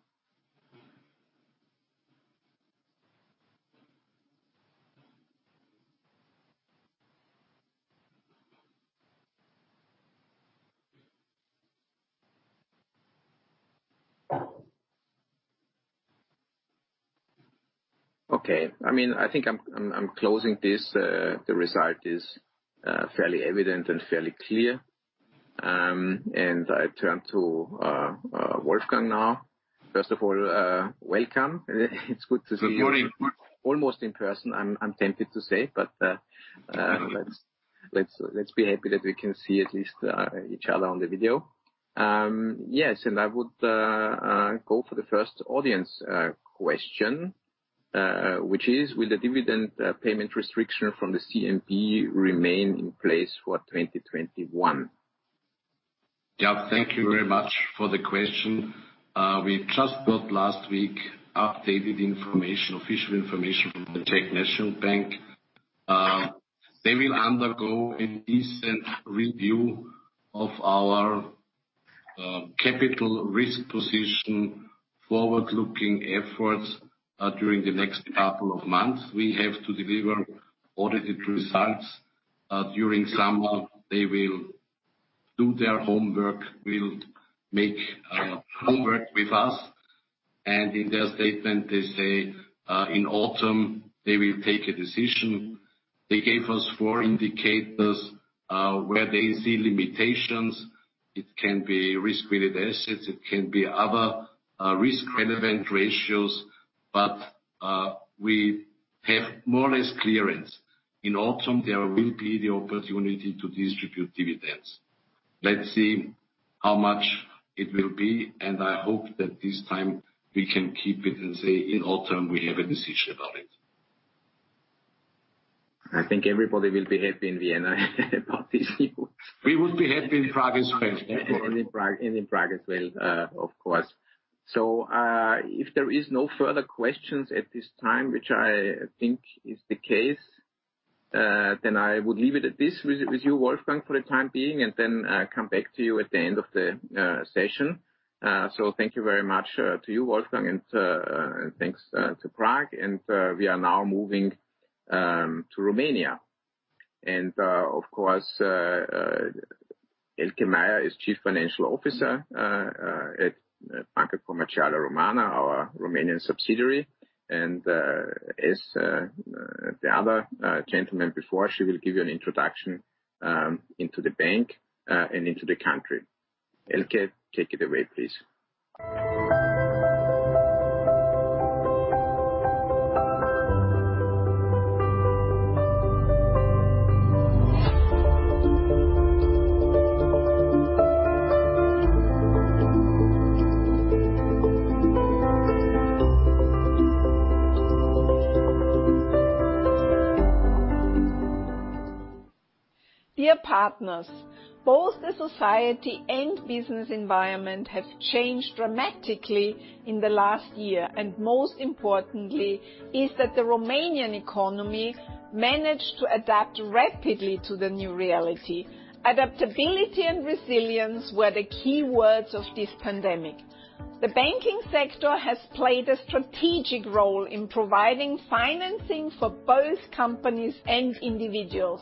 Okay. I think I'm closing this. The result is fairly evident and fairly clear. I turn to Wolfgang now. First of all, welcome. It's good to see you. Good morning. Almost in person, I'm tempted to say. Let's be happy that we can see at least each other on the video. Yes, I would go for the first audience question, which is, will the dividend payment restriction from the CNB remain in place for 2021? Yeah, thank you very much for the question. We just got, last week, updated information, official information from the Czech National Bank. They will undergo a decent review of our capital risk position, forward-looking efforts during the next couple of months. We have to deliver audited results during summer. They will do their homework, will make homework with us. In their statement, they say, in autumn, they will take a decision. They gave us four indicators where they see limitations. It can be risk-weighted assets, it can be other risk-relevant ratios. We have more or less clearance. In autumn, there will be the opportunity to distribute dividends. Let's see how much it will be, and I hope that this time we can keep it and say in autumn we have a decision about it. I think everybody will be happy in Vienna about this input. We would be happy in Prague as well. In Prague as well, of course. If there is no further questions at this time, which I think is the case, I would leave it at this with you, Wolfgang, for the time being, and come back to you at the end of the session. Thank you very much to you, Wolfgang, and thanks to Prague. We are now moving to Romania. Of course, Elke Meier is Chief Financial Officer at Banca Comercială Română, our Romanian subsidiary. As the other gentleman before, she will give you an introduction into the bank and into the country. Elke, take it away, please. Dear partners, both the society and business environment have changed dramatically in the last year, and most importantly is that the Romanian economy managed to adapt rapidly to the new reality. Adaptability and resilience were the key words of this pandemic. The banking sector has played a strategic role in providing financing for both companies and individuals,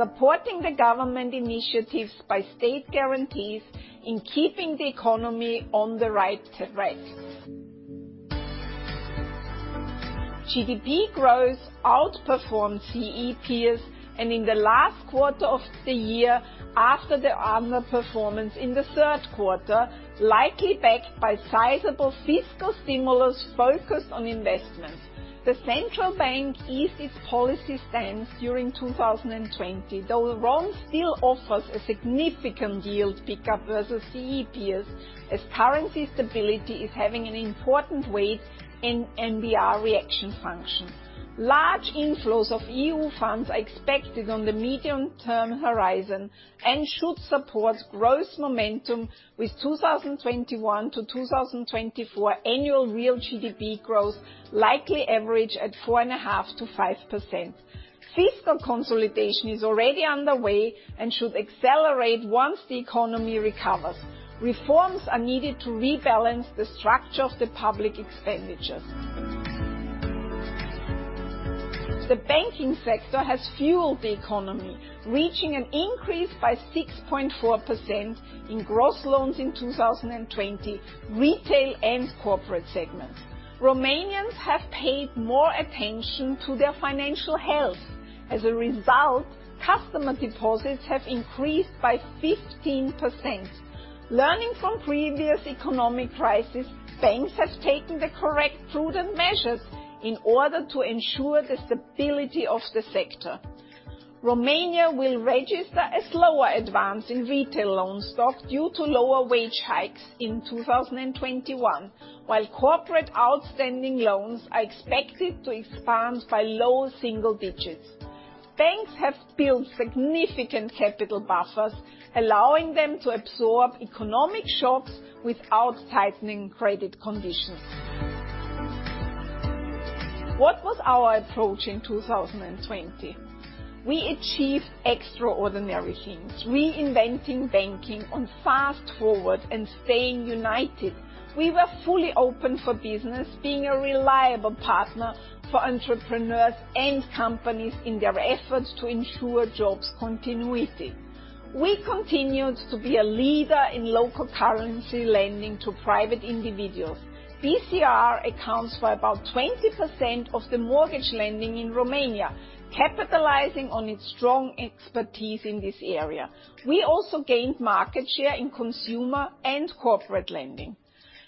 supporting the government initiatives by state guarantees in keeping the economy on the right track. GDP growth outperformed CE peers, and in the last quarter of the year, after the underperformance in the third quarter, likely backed by sizable fiscal stimulus focused on investments. The central bank eased its policy stance during 2020, though RON still offers a significant yield pickup versus CE peers, as currency stability is having an important weight in NBR reaction function. Large inflows of E.U. funds are expected on the medium-term horizon and should support growth momentum, with 2021-2024 annual real GDP growth likely average at 4.5%-5%. Fiscal consolidation is already underway and should accelerate once the economy recovers. Reforms are needed to rebalance the structure of the public expenditure. The banking sector has fueled the economy, reaching an increase by 6.4% in gross loans in 2020, retail and corporate segments. Romanians have paid more attention to their financial health. As a result, customer deposits have increased by 15%. Learning from previous economic crises, banks have taken the correct prudent measures in order to ensure the stability of the sector. Romania will register a slower advance in retail loan stock due to lower wage hikes in 2021, while corporate outstanding loans are expected to expand by low single digits. Banks have built significant capital buffers, allowing them to absorb economic shocks without tightening credit conditions. What was our approach in 2020? We achieved extraordinary things, reinventing banking on fast-forward and staying united. We were fully open for business, being a reliable partner for entrepreneurs and companies in their efforts to ensure jobs continuity. We continued to be a leader in local currency lending to private individuals. BCR accounts for about 20% of the mortgage lending in Romania, capitalizing on its strong expertise in this area. We also gained market share in consumer and corporate lending.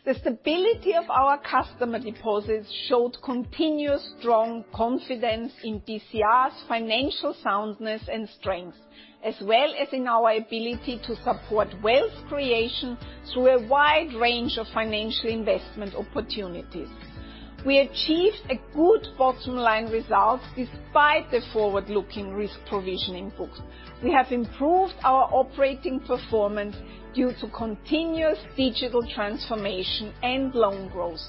The stability of our customer deposits showed continuous strong confidence in BCR's financial soundness and strength, as well as in our ability to support wealth creation through a wide range of financial investment opportunities. We achieved a good bottom-line result despite the forward-looking risk provisioning books. We have improved our operating performance due to continuous digital transformation and loan growth.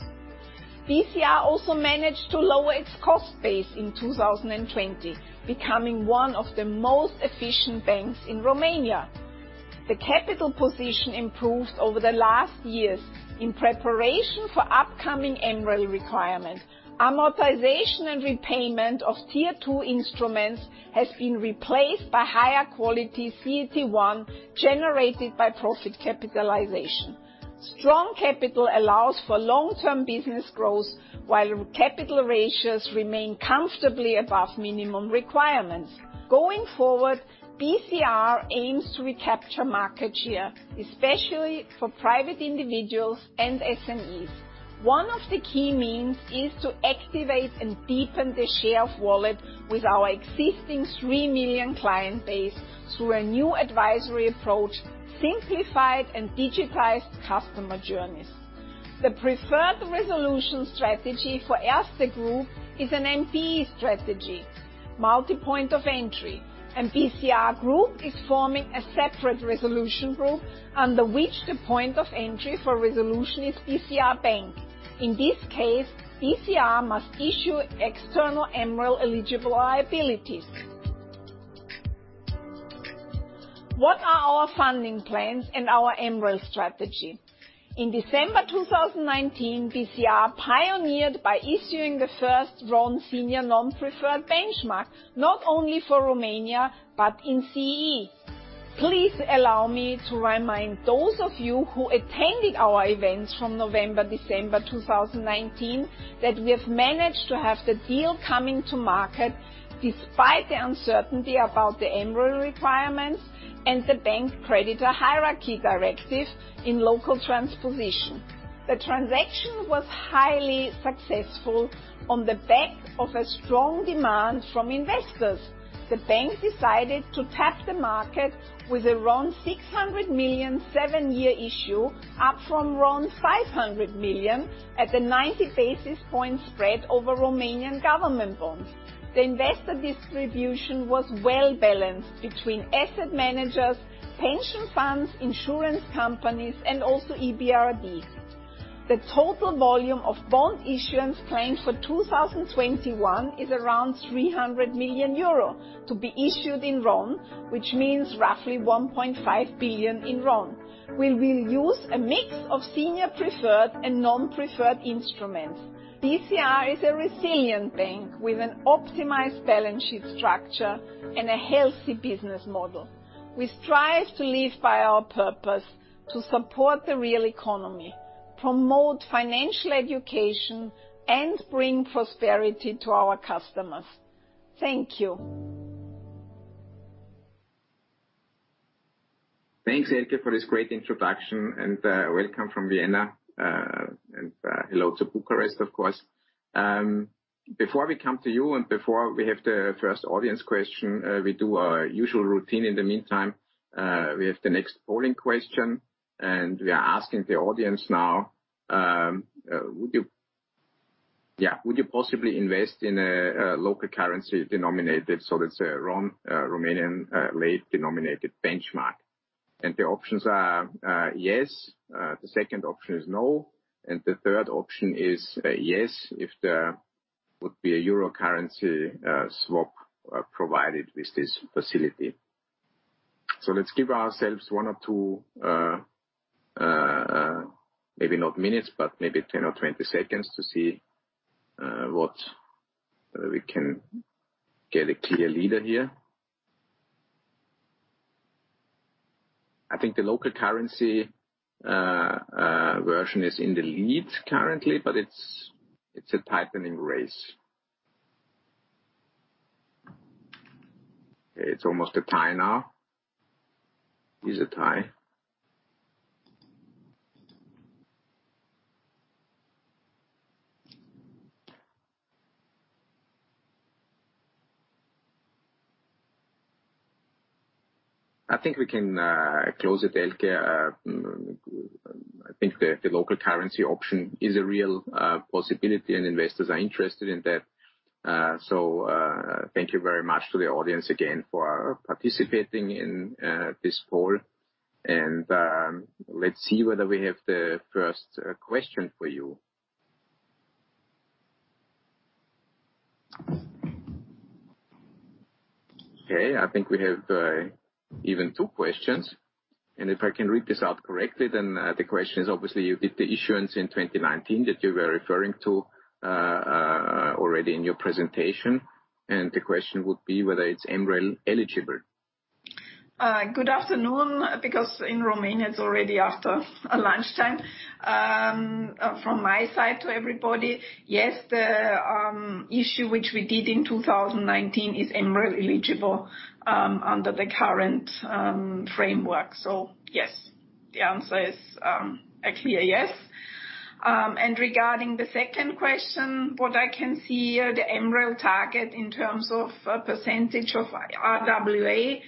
BCR also managed to lower its cost base in 2020, becoming one of the most efficient banks in Romania. The capital position improved over the last years in preparation for upcoming MREL requirement. Amortization and repayment of Tier 2 instruments has been replaced by higher-quality CET1 generated by profit capitalization. Strong capital allows for long-term business growth while capital ratios remain comfortably above minimum requirements. Going forward, BCR aims to recapture market share, especially for private individuals and SMEs. One of the key means is to activate and deepen the share of wallet with our existing 3 million client base through a new advisory approach, simplified and digitized customer journeys. The preferred resolution strategy for Erste Group is an MPE strategy, multiple point of entry, and BCR Group is forming a separate resolution group under which the point of entry for resolution is BCR Bank. In this case, BCR must issue external MREL-eligible liabilities. What are our funding plans and our MREL strategy? In December 2019, BCR pioneered by issuing the first RON senior non-preferred benchmark, not only for Romania but in CE. Please allow me to remind those of you who attended our events from November, December 2019, that we have managed to have the deal coming to market despite the uncertainty about the MREL requirements and the Bank Creditor Hierarchy Directive in local transposition. The transaction was highly successful on the back of a strong demand from investors. The bank decided to tap the market with a RON 600 million, seven-year issue, up from RON 500 million at the 90-basis-point spread over Romanian government bonds. The investor distribution was well-balanced between asset managers, pension funds, insurance companies, and also EBRD. The total volume of bond issuance planned for 2021 is around 300 million euro, to be issued in RON, which means roughly RON 1.5 billion. We will use a mix of senior preferred and senior non-preferred instruments. BCR is a resilient bank with an optimized balance sheet structure and a healthy business model. We strive to live by our purpose to support the real economy, promote financial education, and bring prosperity to our customers. Thank you. Thanks, Elke, for this great introduction. Welcome from Vienna. Hello to Bucharest, of course. Before we come to you and before we have the first audience question, we do our usual routine in the meantime. We have the next polling question. We are asking the audience now, would you possibly invest in a local currency denominated, so that's a RON, Romanian lei-denominated benchmark? The options are yes, the second option is no, and the third option is yes, if there would be a euro currency swap provided with this facility. Let's give ourselves one or two, maybe not minutes, but maybe 10 or 20 seconds to see what we can get a clear leader here. I think the local currency version is in the lead currently, but it's a tightening race. Okay, it's almost a tie now. Is a tie. I think we can close it, Elke. I think the local currency option is a real possibility. Investors are interested in that. Thank you very much to the audience again for participating in this poll. Let's see whether we have the first question for you. I think we have even two questions. If I can read this out correctly, the question is obviously with the issuance in 2019 that you were referring to already in your presentation. The question would be whether it's MREL eligible. Good afternoon, because in Romania it's already after lunchtime. From my side to everybody, yes, the issue which we did in 2019 is MREL eligible under the current framework. Yes, the answer is a clear yes. Regarding the second question, what I can see here, the MREL target in terms of percentage of RWA,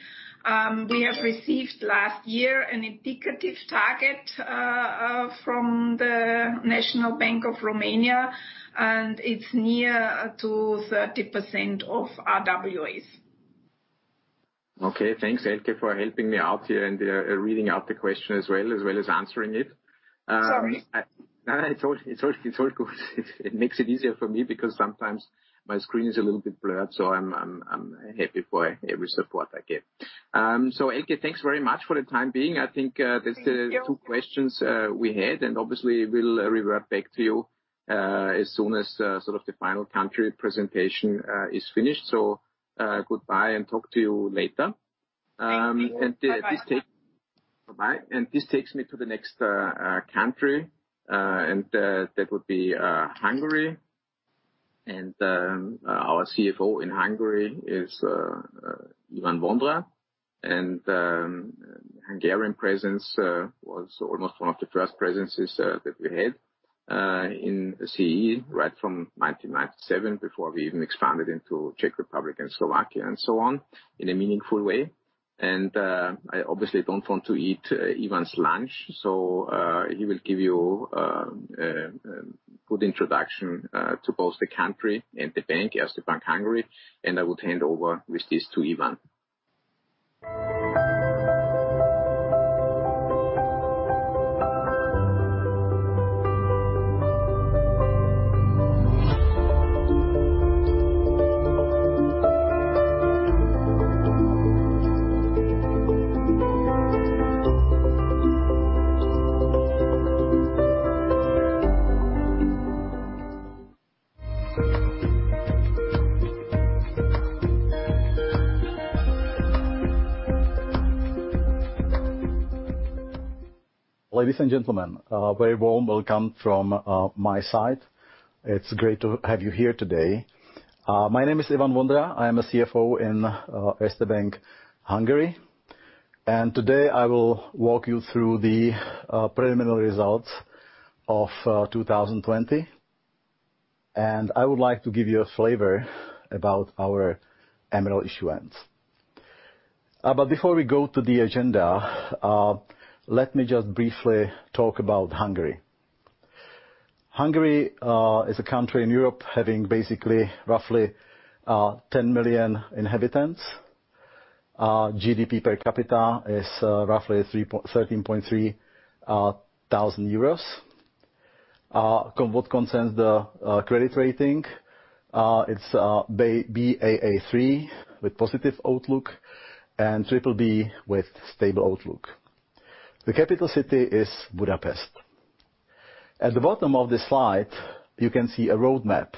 we have received last year an indicative target from the National Bank of Romania, and it's near to 30% of RWAs. Okay. Thanks, Elke, for helping me out here and reading out the question as well, as well as answering it. Sorry. No, it's all good. It makes it easier for me because sometimes my screen is a little bit blurred, so I'm happy for every support I get. Elke, thanks very much for the time being. Thank you. The two questions we had, and obviously we'll revert back to you as soon as sort of the final country presentation is finished. Goodbye and talk to you later. Thank you. Bye-bye. Bye-bye. This takes me to the next country, and that would be Hungary, and our CFO in Hungary is Ivan Vondra. Hungarian presence was almost one of the first presences that we had in CEE right from 1997, before we even expanded into Czech Republic and Slovakia and so on in a meaningful way. I obviously don't want to eat Ivan's lunch, so he will give you a good introduction to both the country and the bank, Erste Bank Hungary, and I would hand over with this to Ivan. Ladies and gentlemen, a very warm welcome from my side. It's great to have you here today. My name is Ivan Vondra. I am a CFO in Erste Bank Hungary, and today I will walk you through the preliminary results of 2020, and I would like to give you a flavor about our MREL issuance. Before we go to the agenda, let me just briefly talk about Hungary. Hungary is a country in Europe having basically roughly 10 million inhabitants. GDP per capita is roughly 13.3 thousand euros. What concerns the credit rating, it's Baa3 with positive outlook and triple B with stable outlook. The capital city is Budapest. At the bottom of this slide, you can see a roadmap,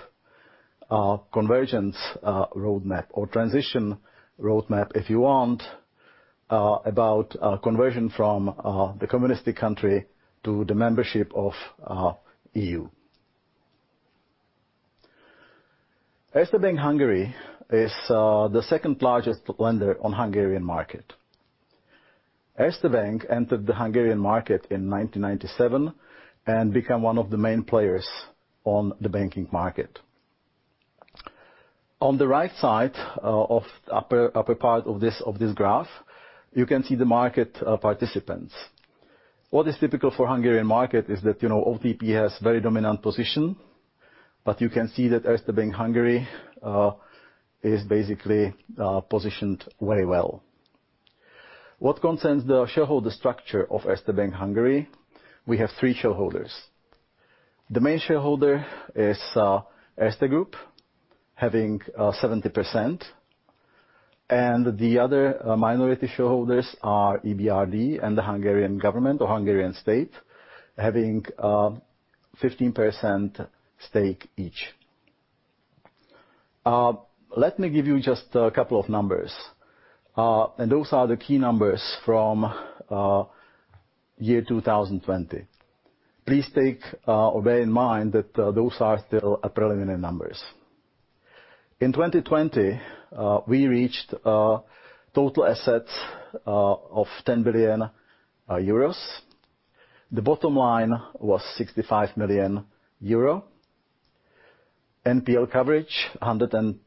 a convergence roadmap or transition roadmap, if you want, about conversion from the communistic country to the membership of E.U. Erste Bank Hungary is the second-largest lender on Hungarian market. Erste Bank entered the Hungarian market in 1997 and become one of the main players on the banking market. On the right side of upper part of this graph, you can see the market participants. What is typical for Hungarian market is that OTP has very dominant position, but you can see that Erste Bank Hungary is basically positioned very well. What concerns the shareholder structure of Erste Bank Hungary, we have three shareholders. The main shareholder is Erste Group, having 70%, and the other minority shareholders are EBRD and the Hungarian government, or Hungarian state, having 15% stake each. Let me give you just a couple of numbers, and those are the key numbers from year 2020. Please take or bear in mind that those are still preliminary numbers. In 2020, we reached total assets of 10 billion euros. The bottom line was 65 million euro. NPL coverage, 109%.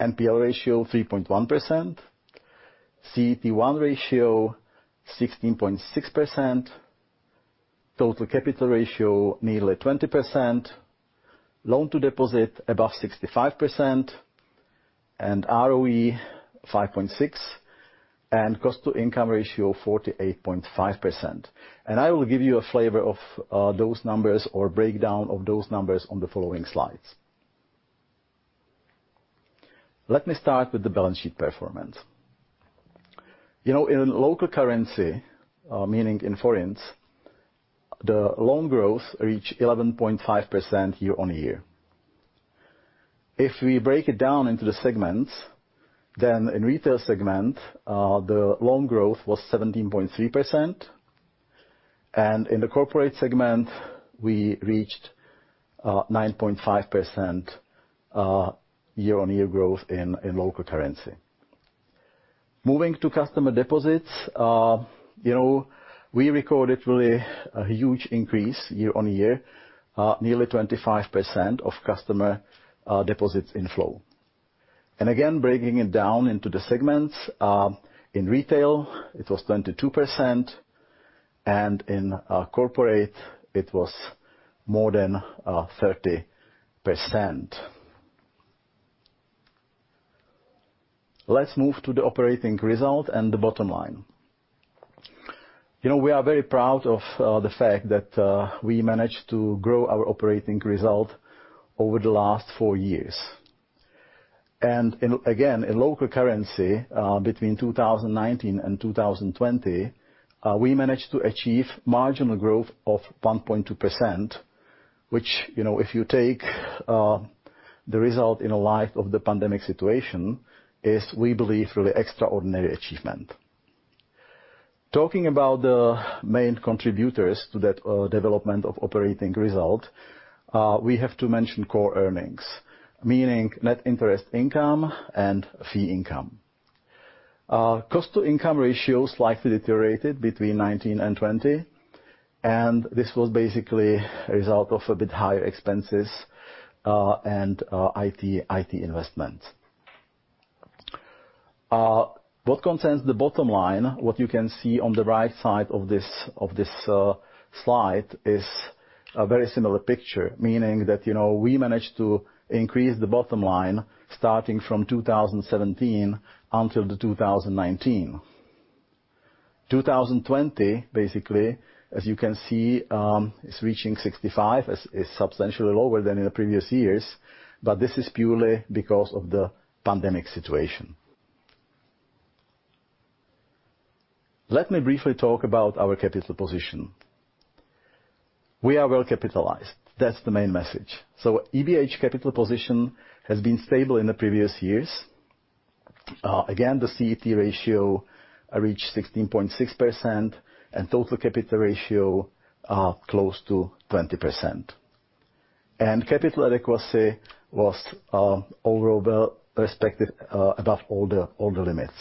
NPL ratio 3.1%. CET1 ratio 16.6%. Total capital ratio nearly 20%. Loan to deposit above 65%. ROE 5.6. Cost to income ratio 48.5%. I will give you a flavor of those numbers or breakdown of those numbers on the following slides. Let me start with the balance sheet performance. In local currency, meaning in HUF, the loan growth reached 11.5% year-on-year. If we break it down into the segments, in retail segment, the loan growth was 17.3%. In the corporate segment, we reached 9.5% year-on-year growth in local currency. Moving to customer deposits, we recorded really a huge increase year-on-year, nearly 25% of customer deposits in flow. Again, breaking it down into the segments, in retail it was 22%. In corporate it was more than 30%. Let's move to the operating result and the bottom line. We are very proud of the fact that we managed to grow our operating result over the last four years. In local currency between 2019 and 2020, we managed to achieve marginal growth of 1.2%, which if you take the result in light of the pandemic situation is, we believe, really extraordinary achievement. Talking about the main contributors to that development of operating result, we have to mention core earnings, meaning net interest income and fee income. Cost to income ratio slightly deteriorated between 2019 and 2020, and this was basically a result of a bit higher expenses and IT investment. What concerns the bottom line, what you can see on the right side of this slide is a very similar picture, meaning that we managed to increase the bottom line starting from 2017 until the 2019. 2020, basically, as you can see, is reaching 65, is substantially lower than in the previous years, but this is purely because of the pandemic situation. Let me briefly talk about our capital position. We are well capitalized. That's the main message. EBH capital position has been stable in the previous years. Again, the CET ratio reached 16.6%, total capital ratio close to 20%. Capital adequacy was overall well respected above all the limits.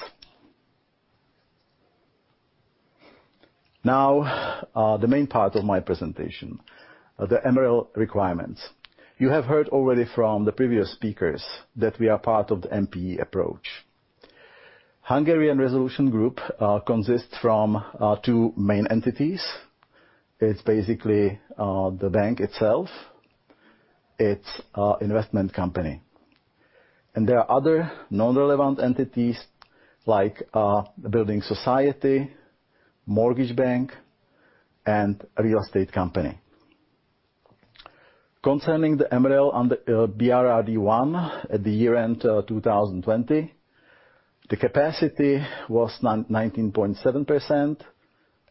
Now, the main part of my presentation, the MREL requirements. You have heard already from the previous speakers that we are part of the MPE approach. Hungarian Resolution Group consists from two main entities. It's basically the bank itself, its investment company. There are other non-relevant entities like building society, mortgage bank and real estate company. Concerning the MREL under BRRD 1 at the year-end 2020, the capacity was 19.7%.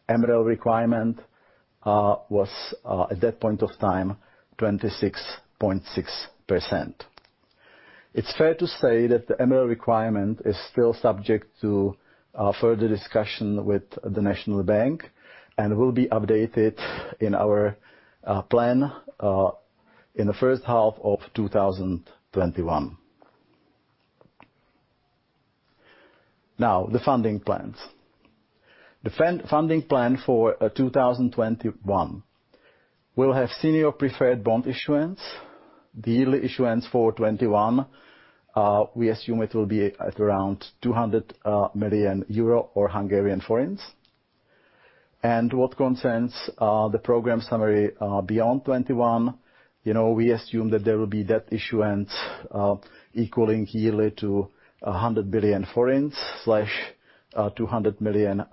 MREL requirement was, at that point of time, 26.6%. It is fair to say that the MREL requirement is still subject to further discussion with the National Bank and will be updated in our plan in the first half of 2021. The funding plans. The funding plan for 2021 will have senior preferred bond issuance. The yearly issuance for 2021, we assume it will be at around 200 million euro or Hungarian forints. What concerns the program summary beyond 2021, we assume that there will be debt issuance equaling yearly to 100 billion/EUR 200 million.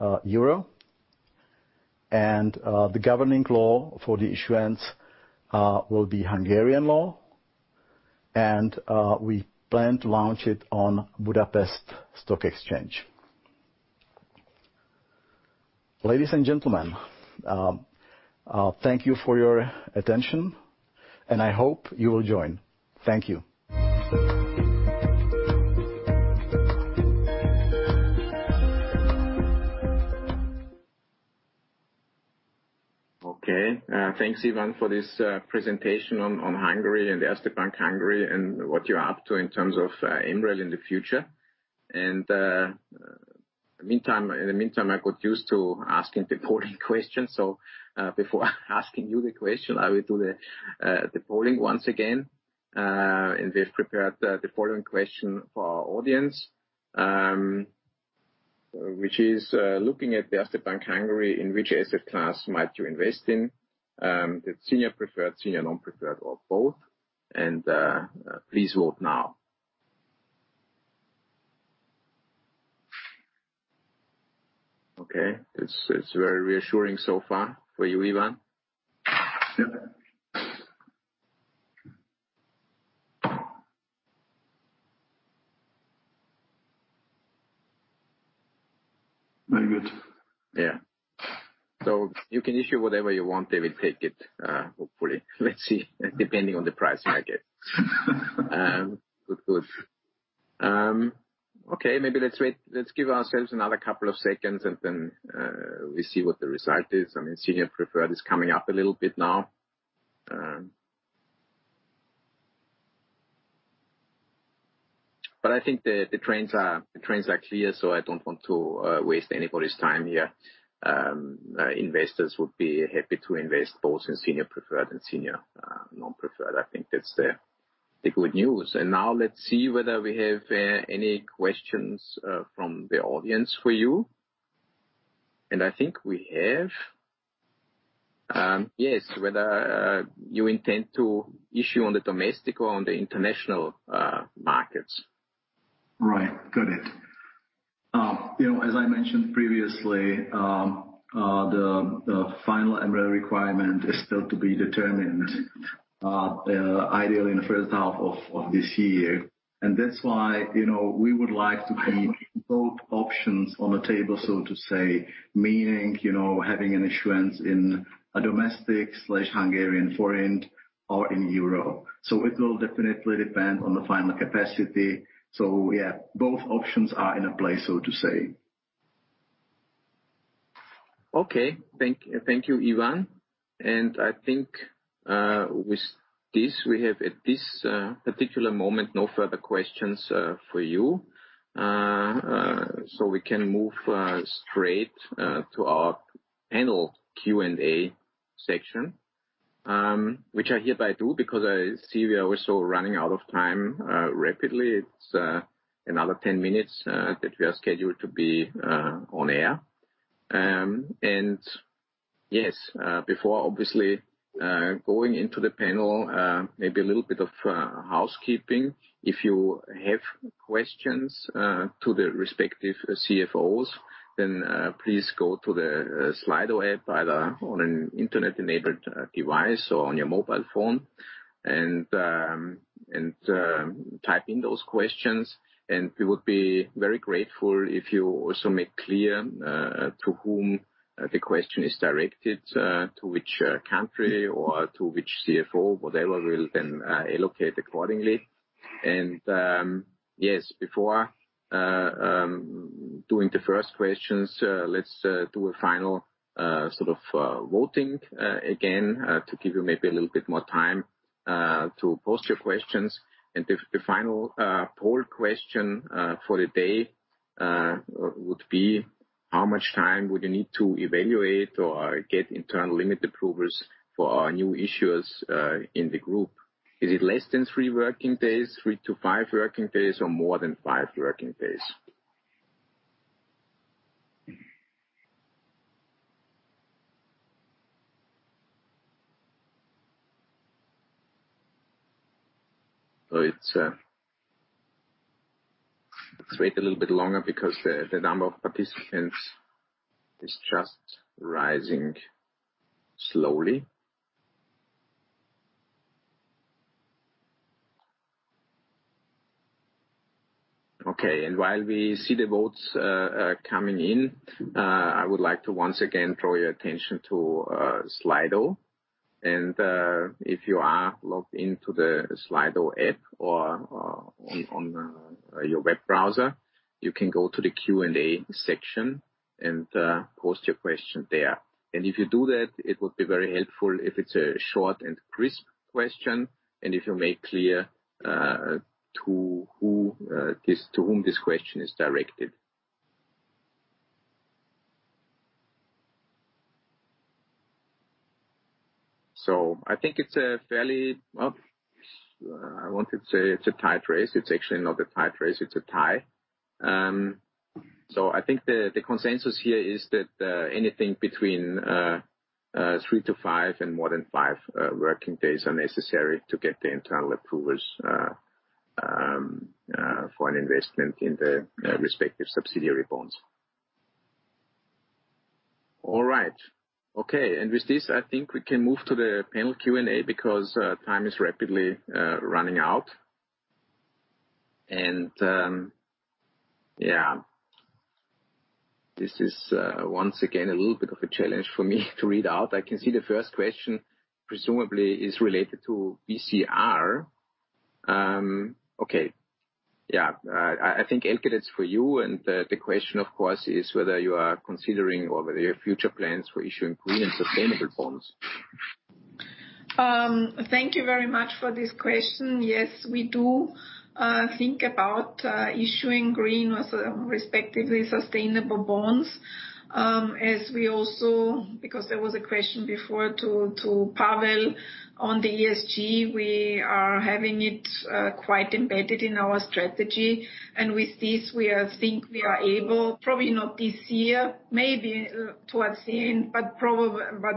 The governing law for the issuance will be Hungarian law, and we plan to launch it on Budapest Stock Exchange. Ladies and gentlemen, thank you for your attention, and I hope you will join. Thank you. Okay. Thanks, Ivan, for this presentation on Hungary and Erste Bank Hungary and what you're up to in terms of MREL in the future. In the meantime, I got used to asking the polling question. Before asking you the question, I will do the polling once again. We've prepared the following question for our audience, which is looking at the Erste Bank Hungary, in which asset class might you invest in? The senior preferred, senior non-preferred, or both. Please vote now. Okay. It's very reassuring so far for you, Ivan. Yep. Very good. Yeah. You can issue whatever you want. They will take it, hopefully. Let's see, depending on the pricing, I guess. Good. Okay, maybe let's wait. Let's give ourselves another couple of seconds, and then we see what the result is. Senior preferred is coming up a little bit now. I think the trends are clear, so I don't want to waste anybody's time here. Investors would be happy to invest both in senior preferred and senior non-preferred. I think that's the good news. Now let's see whether we have any questions from the audience for you, and I think we have. Yes, whether you intend to issue on the domestic or on the international markets? Right. Got it. As I mentioned previously, the final MREL requirement is still to be determined, ideally in the first half of this year. That's why we would like to keep both options on the table, so to say, meaning having an issuance in a domestic/Hungarian forint or in euro. It will definitely depend on the final capacity. Yeah, both options are in a place, so to say. Okay. Thank you, Ivan. I think with this, we have at this particular moment no further questions for you. We can move straight to our panel Q&A section, which I hereby do because I see we are also running out of time rapidly. It's another 10 minutes that we are scheduled to be on air. Yes, before obviously going into the panel, maybe a little bit of housekeeping. If you have questions to the respective CFOs, then please go to the Slido app, either on an internet-enabled device or on your mobile phone, and type in those questions, and we would be very grateful if you also make clear to whom the question is directed, to which country or to which CFO. Whatever will then allocate accordingly. Yes, before doing the first questions, let's do a final voting again to give you maybe a little bit more time to post your questions. The final poll question for the day would be, how much time would you need to evaluate or get internal limit approvals for our new issuers in the group? Is it less than three working days, three to five working days, or more than five working days? Let's wait a little bit longer because the number of participants is just rising slowly. While we see the votes coming in, I would like to once again draw your attention to Slido. If you are logged into the Slido app or on your web browser, you can go to the Q&A section and post your question there. If you do that, it would be very helpful if it's a short and crisp question, and if you make clear to whom this question is directed. I think it's a tight race. It's actually not a tight race, it's a tie. I think the consensus here is that anything between 3-5 and more than five working days are necessary to get the internal approvals for an investment in the respective subsidiary bonds. All right. Okay. With this, I think we can move to the panel Q&A because time is rapidly running out. This is, once again, a little bit of a challenge for me to read out. I can see the first question presumably is related to BCR. Okay. Yeah. I think, Elke, that's for you, and the question, of course, is whether you are considering or whether your future plans for issuing green sustainable bonds. Thank you very much for this question. Yes, we do think about issuing green or respectively sustainable bonds, because there was a question before to Pavel on the ESG, we are having it quite embedded in our strategy. With this, we think we are able, probably not this year, maybe towards the end, but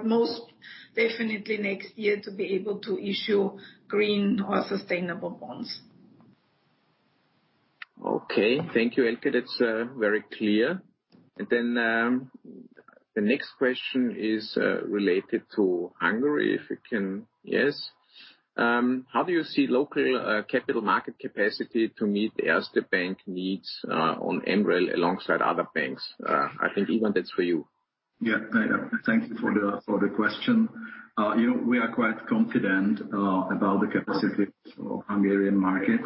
most definitely next year, to be able to issue green or sustainable bonds. Okay. Thank you, Elke. That's very clear. The next question is related to Hungary. How do you see local capital market capacity to meet Erste Bank needs on MREL alongside other banks? I think, Ivan, that's for you. Yeah. Thank you for the question. We are quite confident about the capacities of Hungarian market.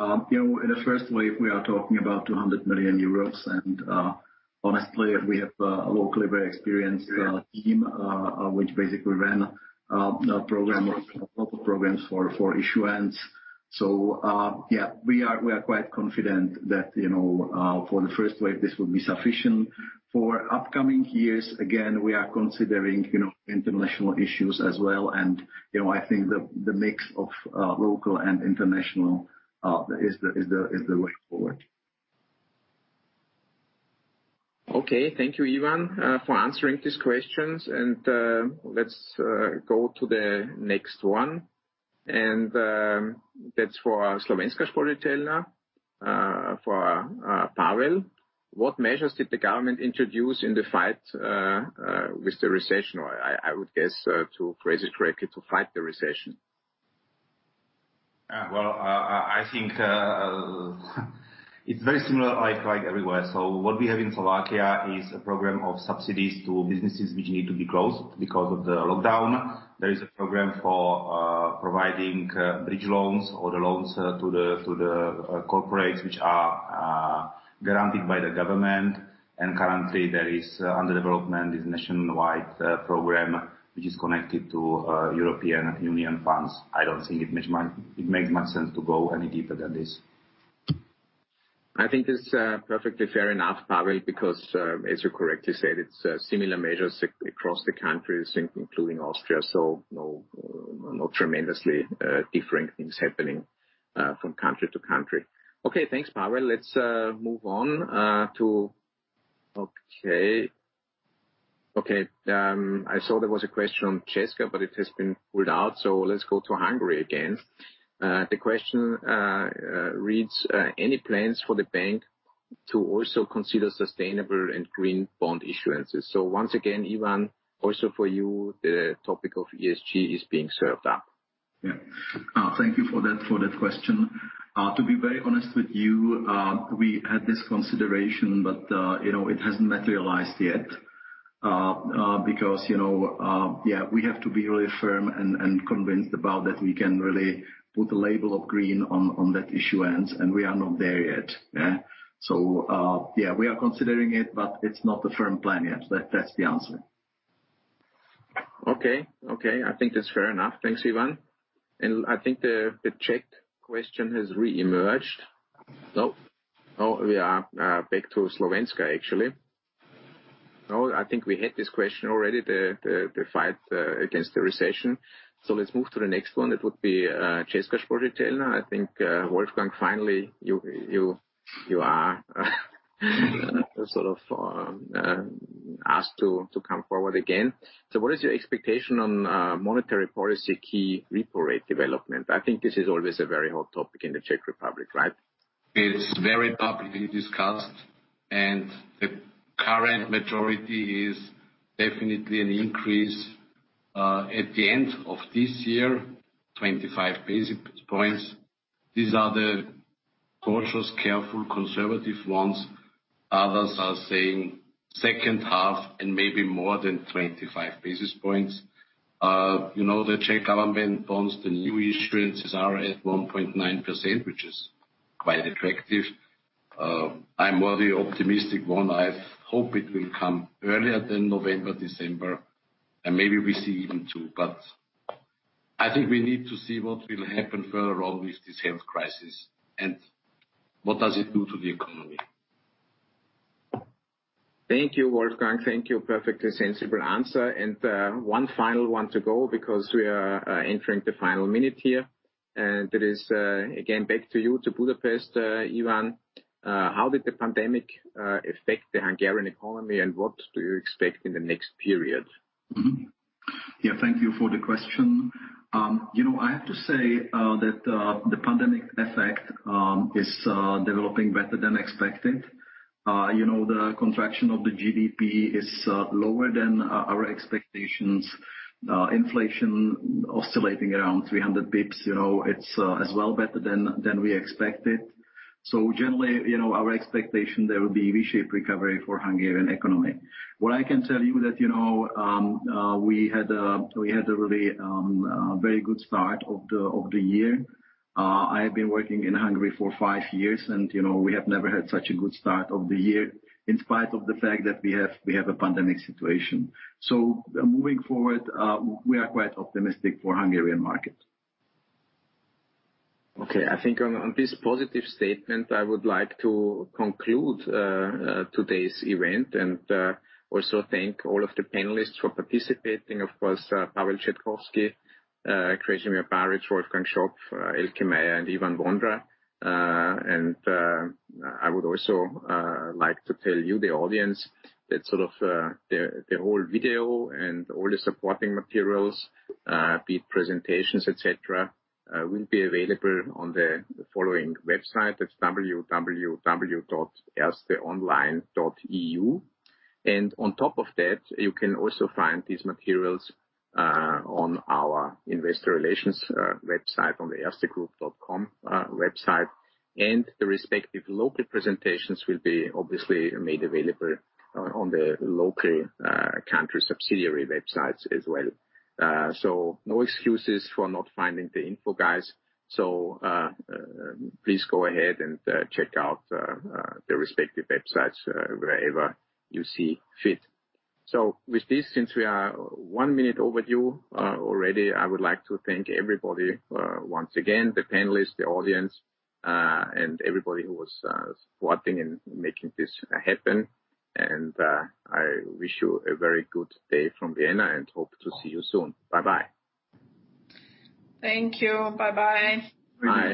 In the first wave, we are talking about 200 million euros, and honestly, we have a locally very experienced team, which basically ran a program of local programs for issuance. Yeah, we are quite confident that, for the first wave, this will be sufficient. For upcoming years, again, we are considering international issues as well. I think the mix of local and international is the way forward. Okay. Thank you, Ivan, for answering these questions. Let's go to the next one, and that's for Slovenská sporiteľňa, for Pavel. What measures did the government introduce in the fight with the recession? I would guess to phrase it correctly, to fight the recession. I think it's very similar like everywhere. What we have in Slovakia is a program of subsidies to businesses which need to be closed because of the lockdown. There is a program for providing bridge loans or the loans to the corporates, which are granted by the government. Currently, there is under development this nationwide program which is connected to European Union funds. I don't think it makes much sense to go any deeper than this. I think it's perfectly fair enough, Pavel, because as you correctly said, it's similar measures across the countries, including Austria. No tremendously different things happening from country to country. Okay, thanks, Pavel. Let's move on to. I saw there was a question on Česká, it has been ruled out. Let's go to Hungary again. The question reads, any plans for the bank to also consider sustainable and green bond issuances? Once again, Ivan, also for you, the topic of ESG is being served up. Yeah. Thank you for that question. To be very honest with you, we had this consideration, but it hasn't materialized yet. Yeah, we have to be really firm and convinced about that we can really put the label of green on that issuance, and we are not there yet. Yeah, we are considering it, but it's not a firm plan yet. That's the answer. Okay. I think that's fair enough. Thanks, Ivan. I think the Czech question has re-emerged. No, we are back to Slovenská, actually. No, I think we had this question already, the fight against the recession. Let's move to the next one. It would be Česká spořitelna. I think, Wolfgang, finally, you are sort of asked to come forward again. What is your expectation on monetary policy key repo rate development? I think this is always a very hot topic in the Czech Republic, right? It's very publicly discussed, and the current majority is definitely an increase, at the end of this year, 25 basis points. These are the cautious, careful, conservative ones. Others are saying second half and maybe more than 25 basis points. The Czech government bonds, the new issuances are at 1.9%, which is quite attractive. I'm more the optimistic one. I hope it will come earlier than November, December, and maybe we see even two. I think we need to see what will happen further on with this health crisis and what does it do to the economy. Thank you, Wolfgang. Thank you. Perfectly sensible answer. One final one to go because we are entering the final minute here. That is, again, back to you in Budapest, Ivan. How did the pandemic affect the Hungarian economy, and what do you expect in the next period? Yeah, thank you for the question. I have to say that the pandemic effect is developing better than expected. The contraction of the GDP is lower than our expectations. Inflation oscillating around 300 basis points. It's as well better than we expected. Generally, our expectation, there will be V-shaped recovery for Hungarian economy. What I can tell you that we had a really very good start of the year. I have been working in Hungary for five years, and we have never had such a good start of the year in spite of the fact that we have a pandemic situation. Moving forward, we are quite optimistic for Hungarian market. Okay, I think on this positive statement, I would like to conclude today's event and also thank all of the panelists for participating, of course, Pavel Cetkovský, Krešimir Barić, Wolfgang Schopf, Elke Meier, and Ivan Vondra. I would also like to tell you, the audience, that the whole video and all the supporting materials, be it presentations, et cetera, will be available on the following website. That's www.erstonline.eu. On top of that, you can also find these materials on our investor relations website, on the erstegroup.com website. The respective local presentations will be obviously made available on the local country subsidiary websites as well. No excuses for not finding the info, guys. Please go ahead and check out the respective websites wherever you see fit. With this, since we are one minute overdue already, I would like to thank everybody once again, the panelists, the audience, and everybody who was supporting in making this happen. I wish you a very good day from Vienna and hope to see you soon. Bye-bye. Thank you. Bye-bye. Bye.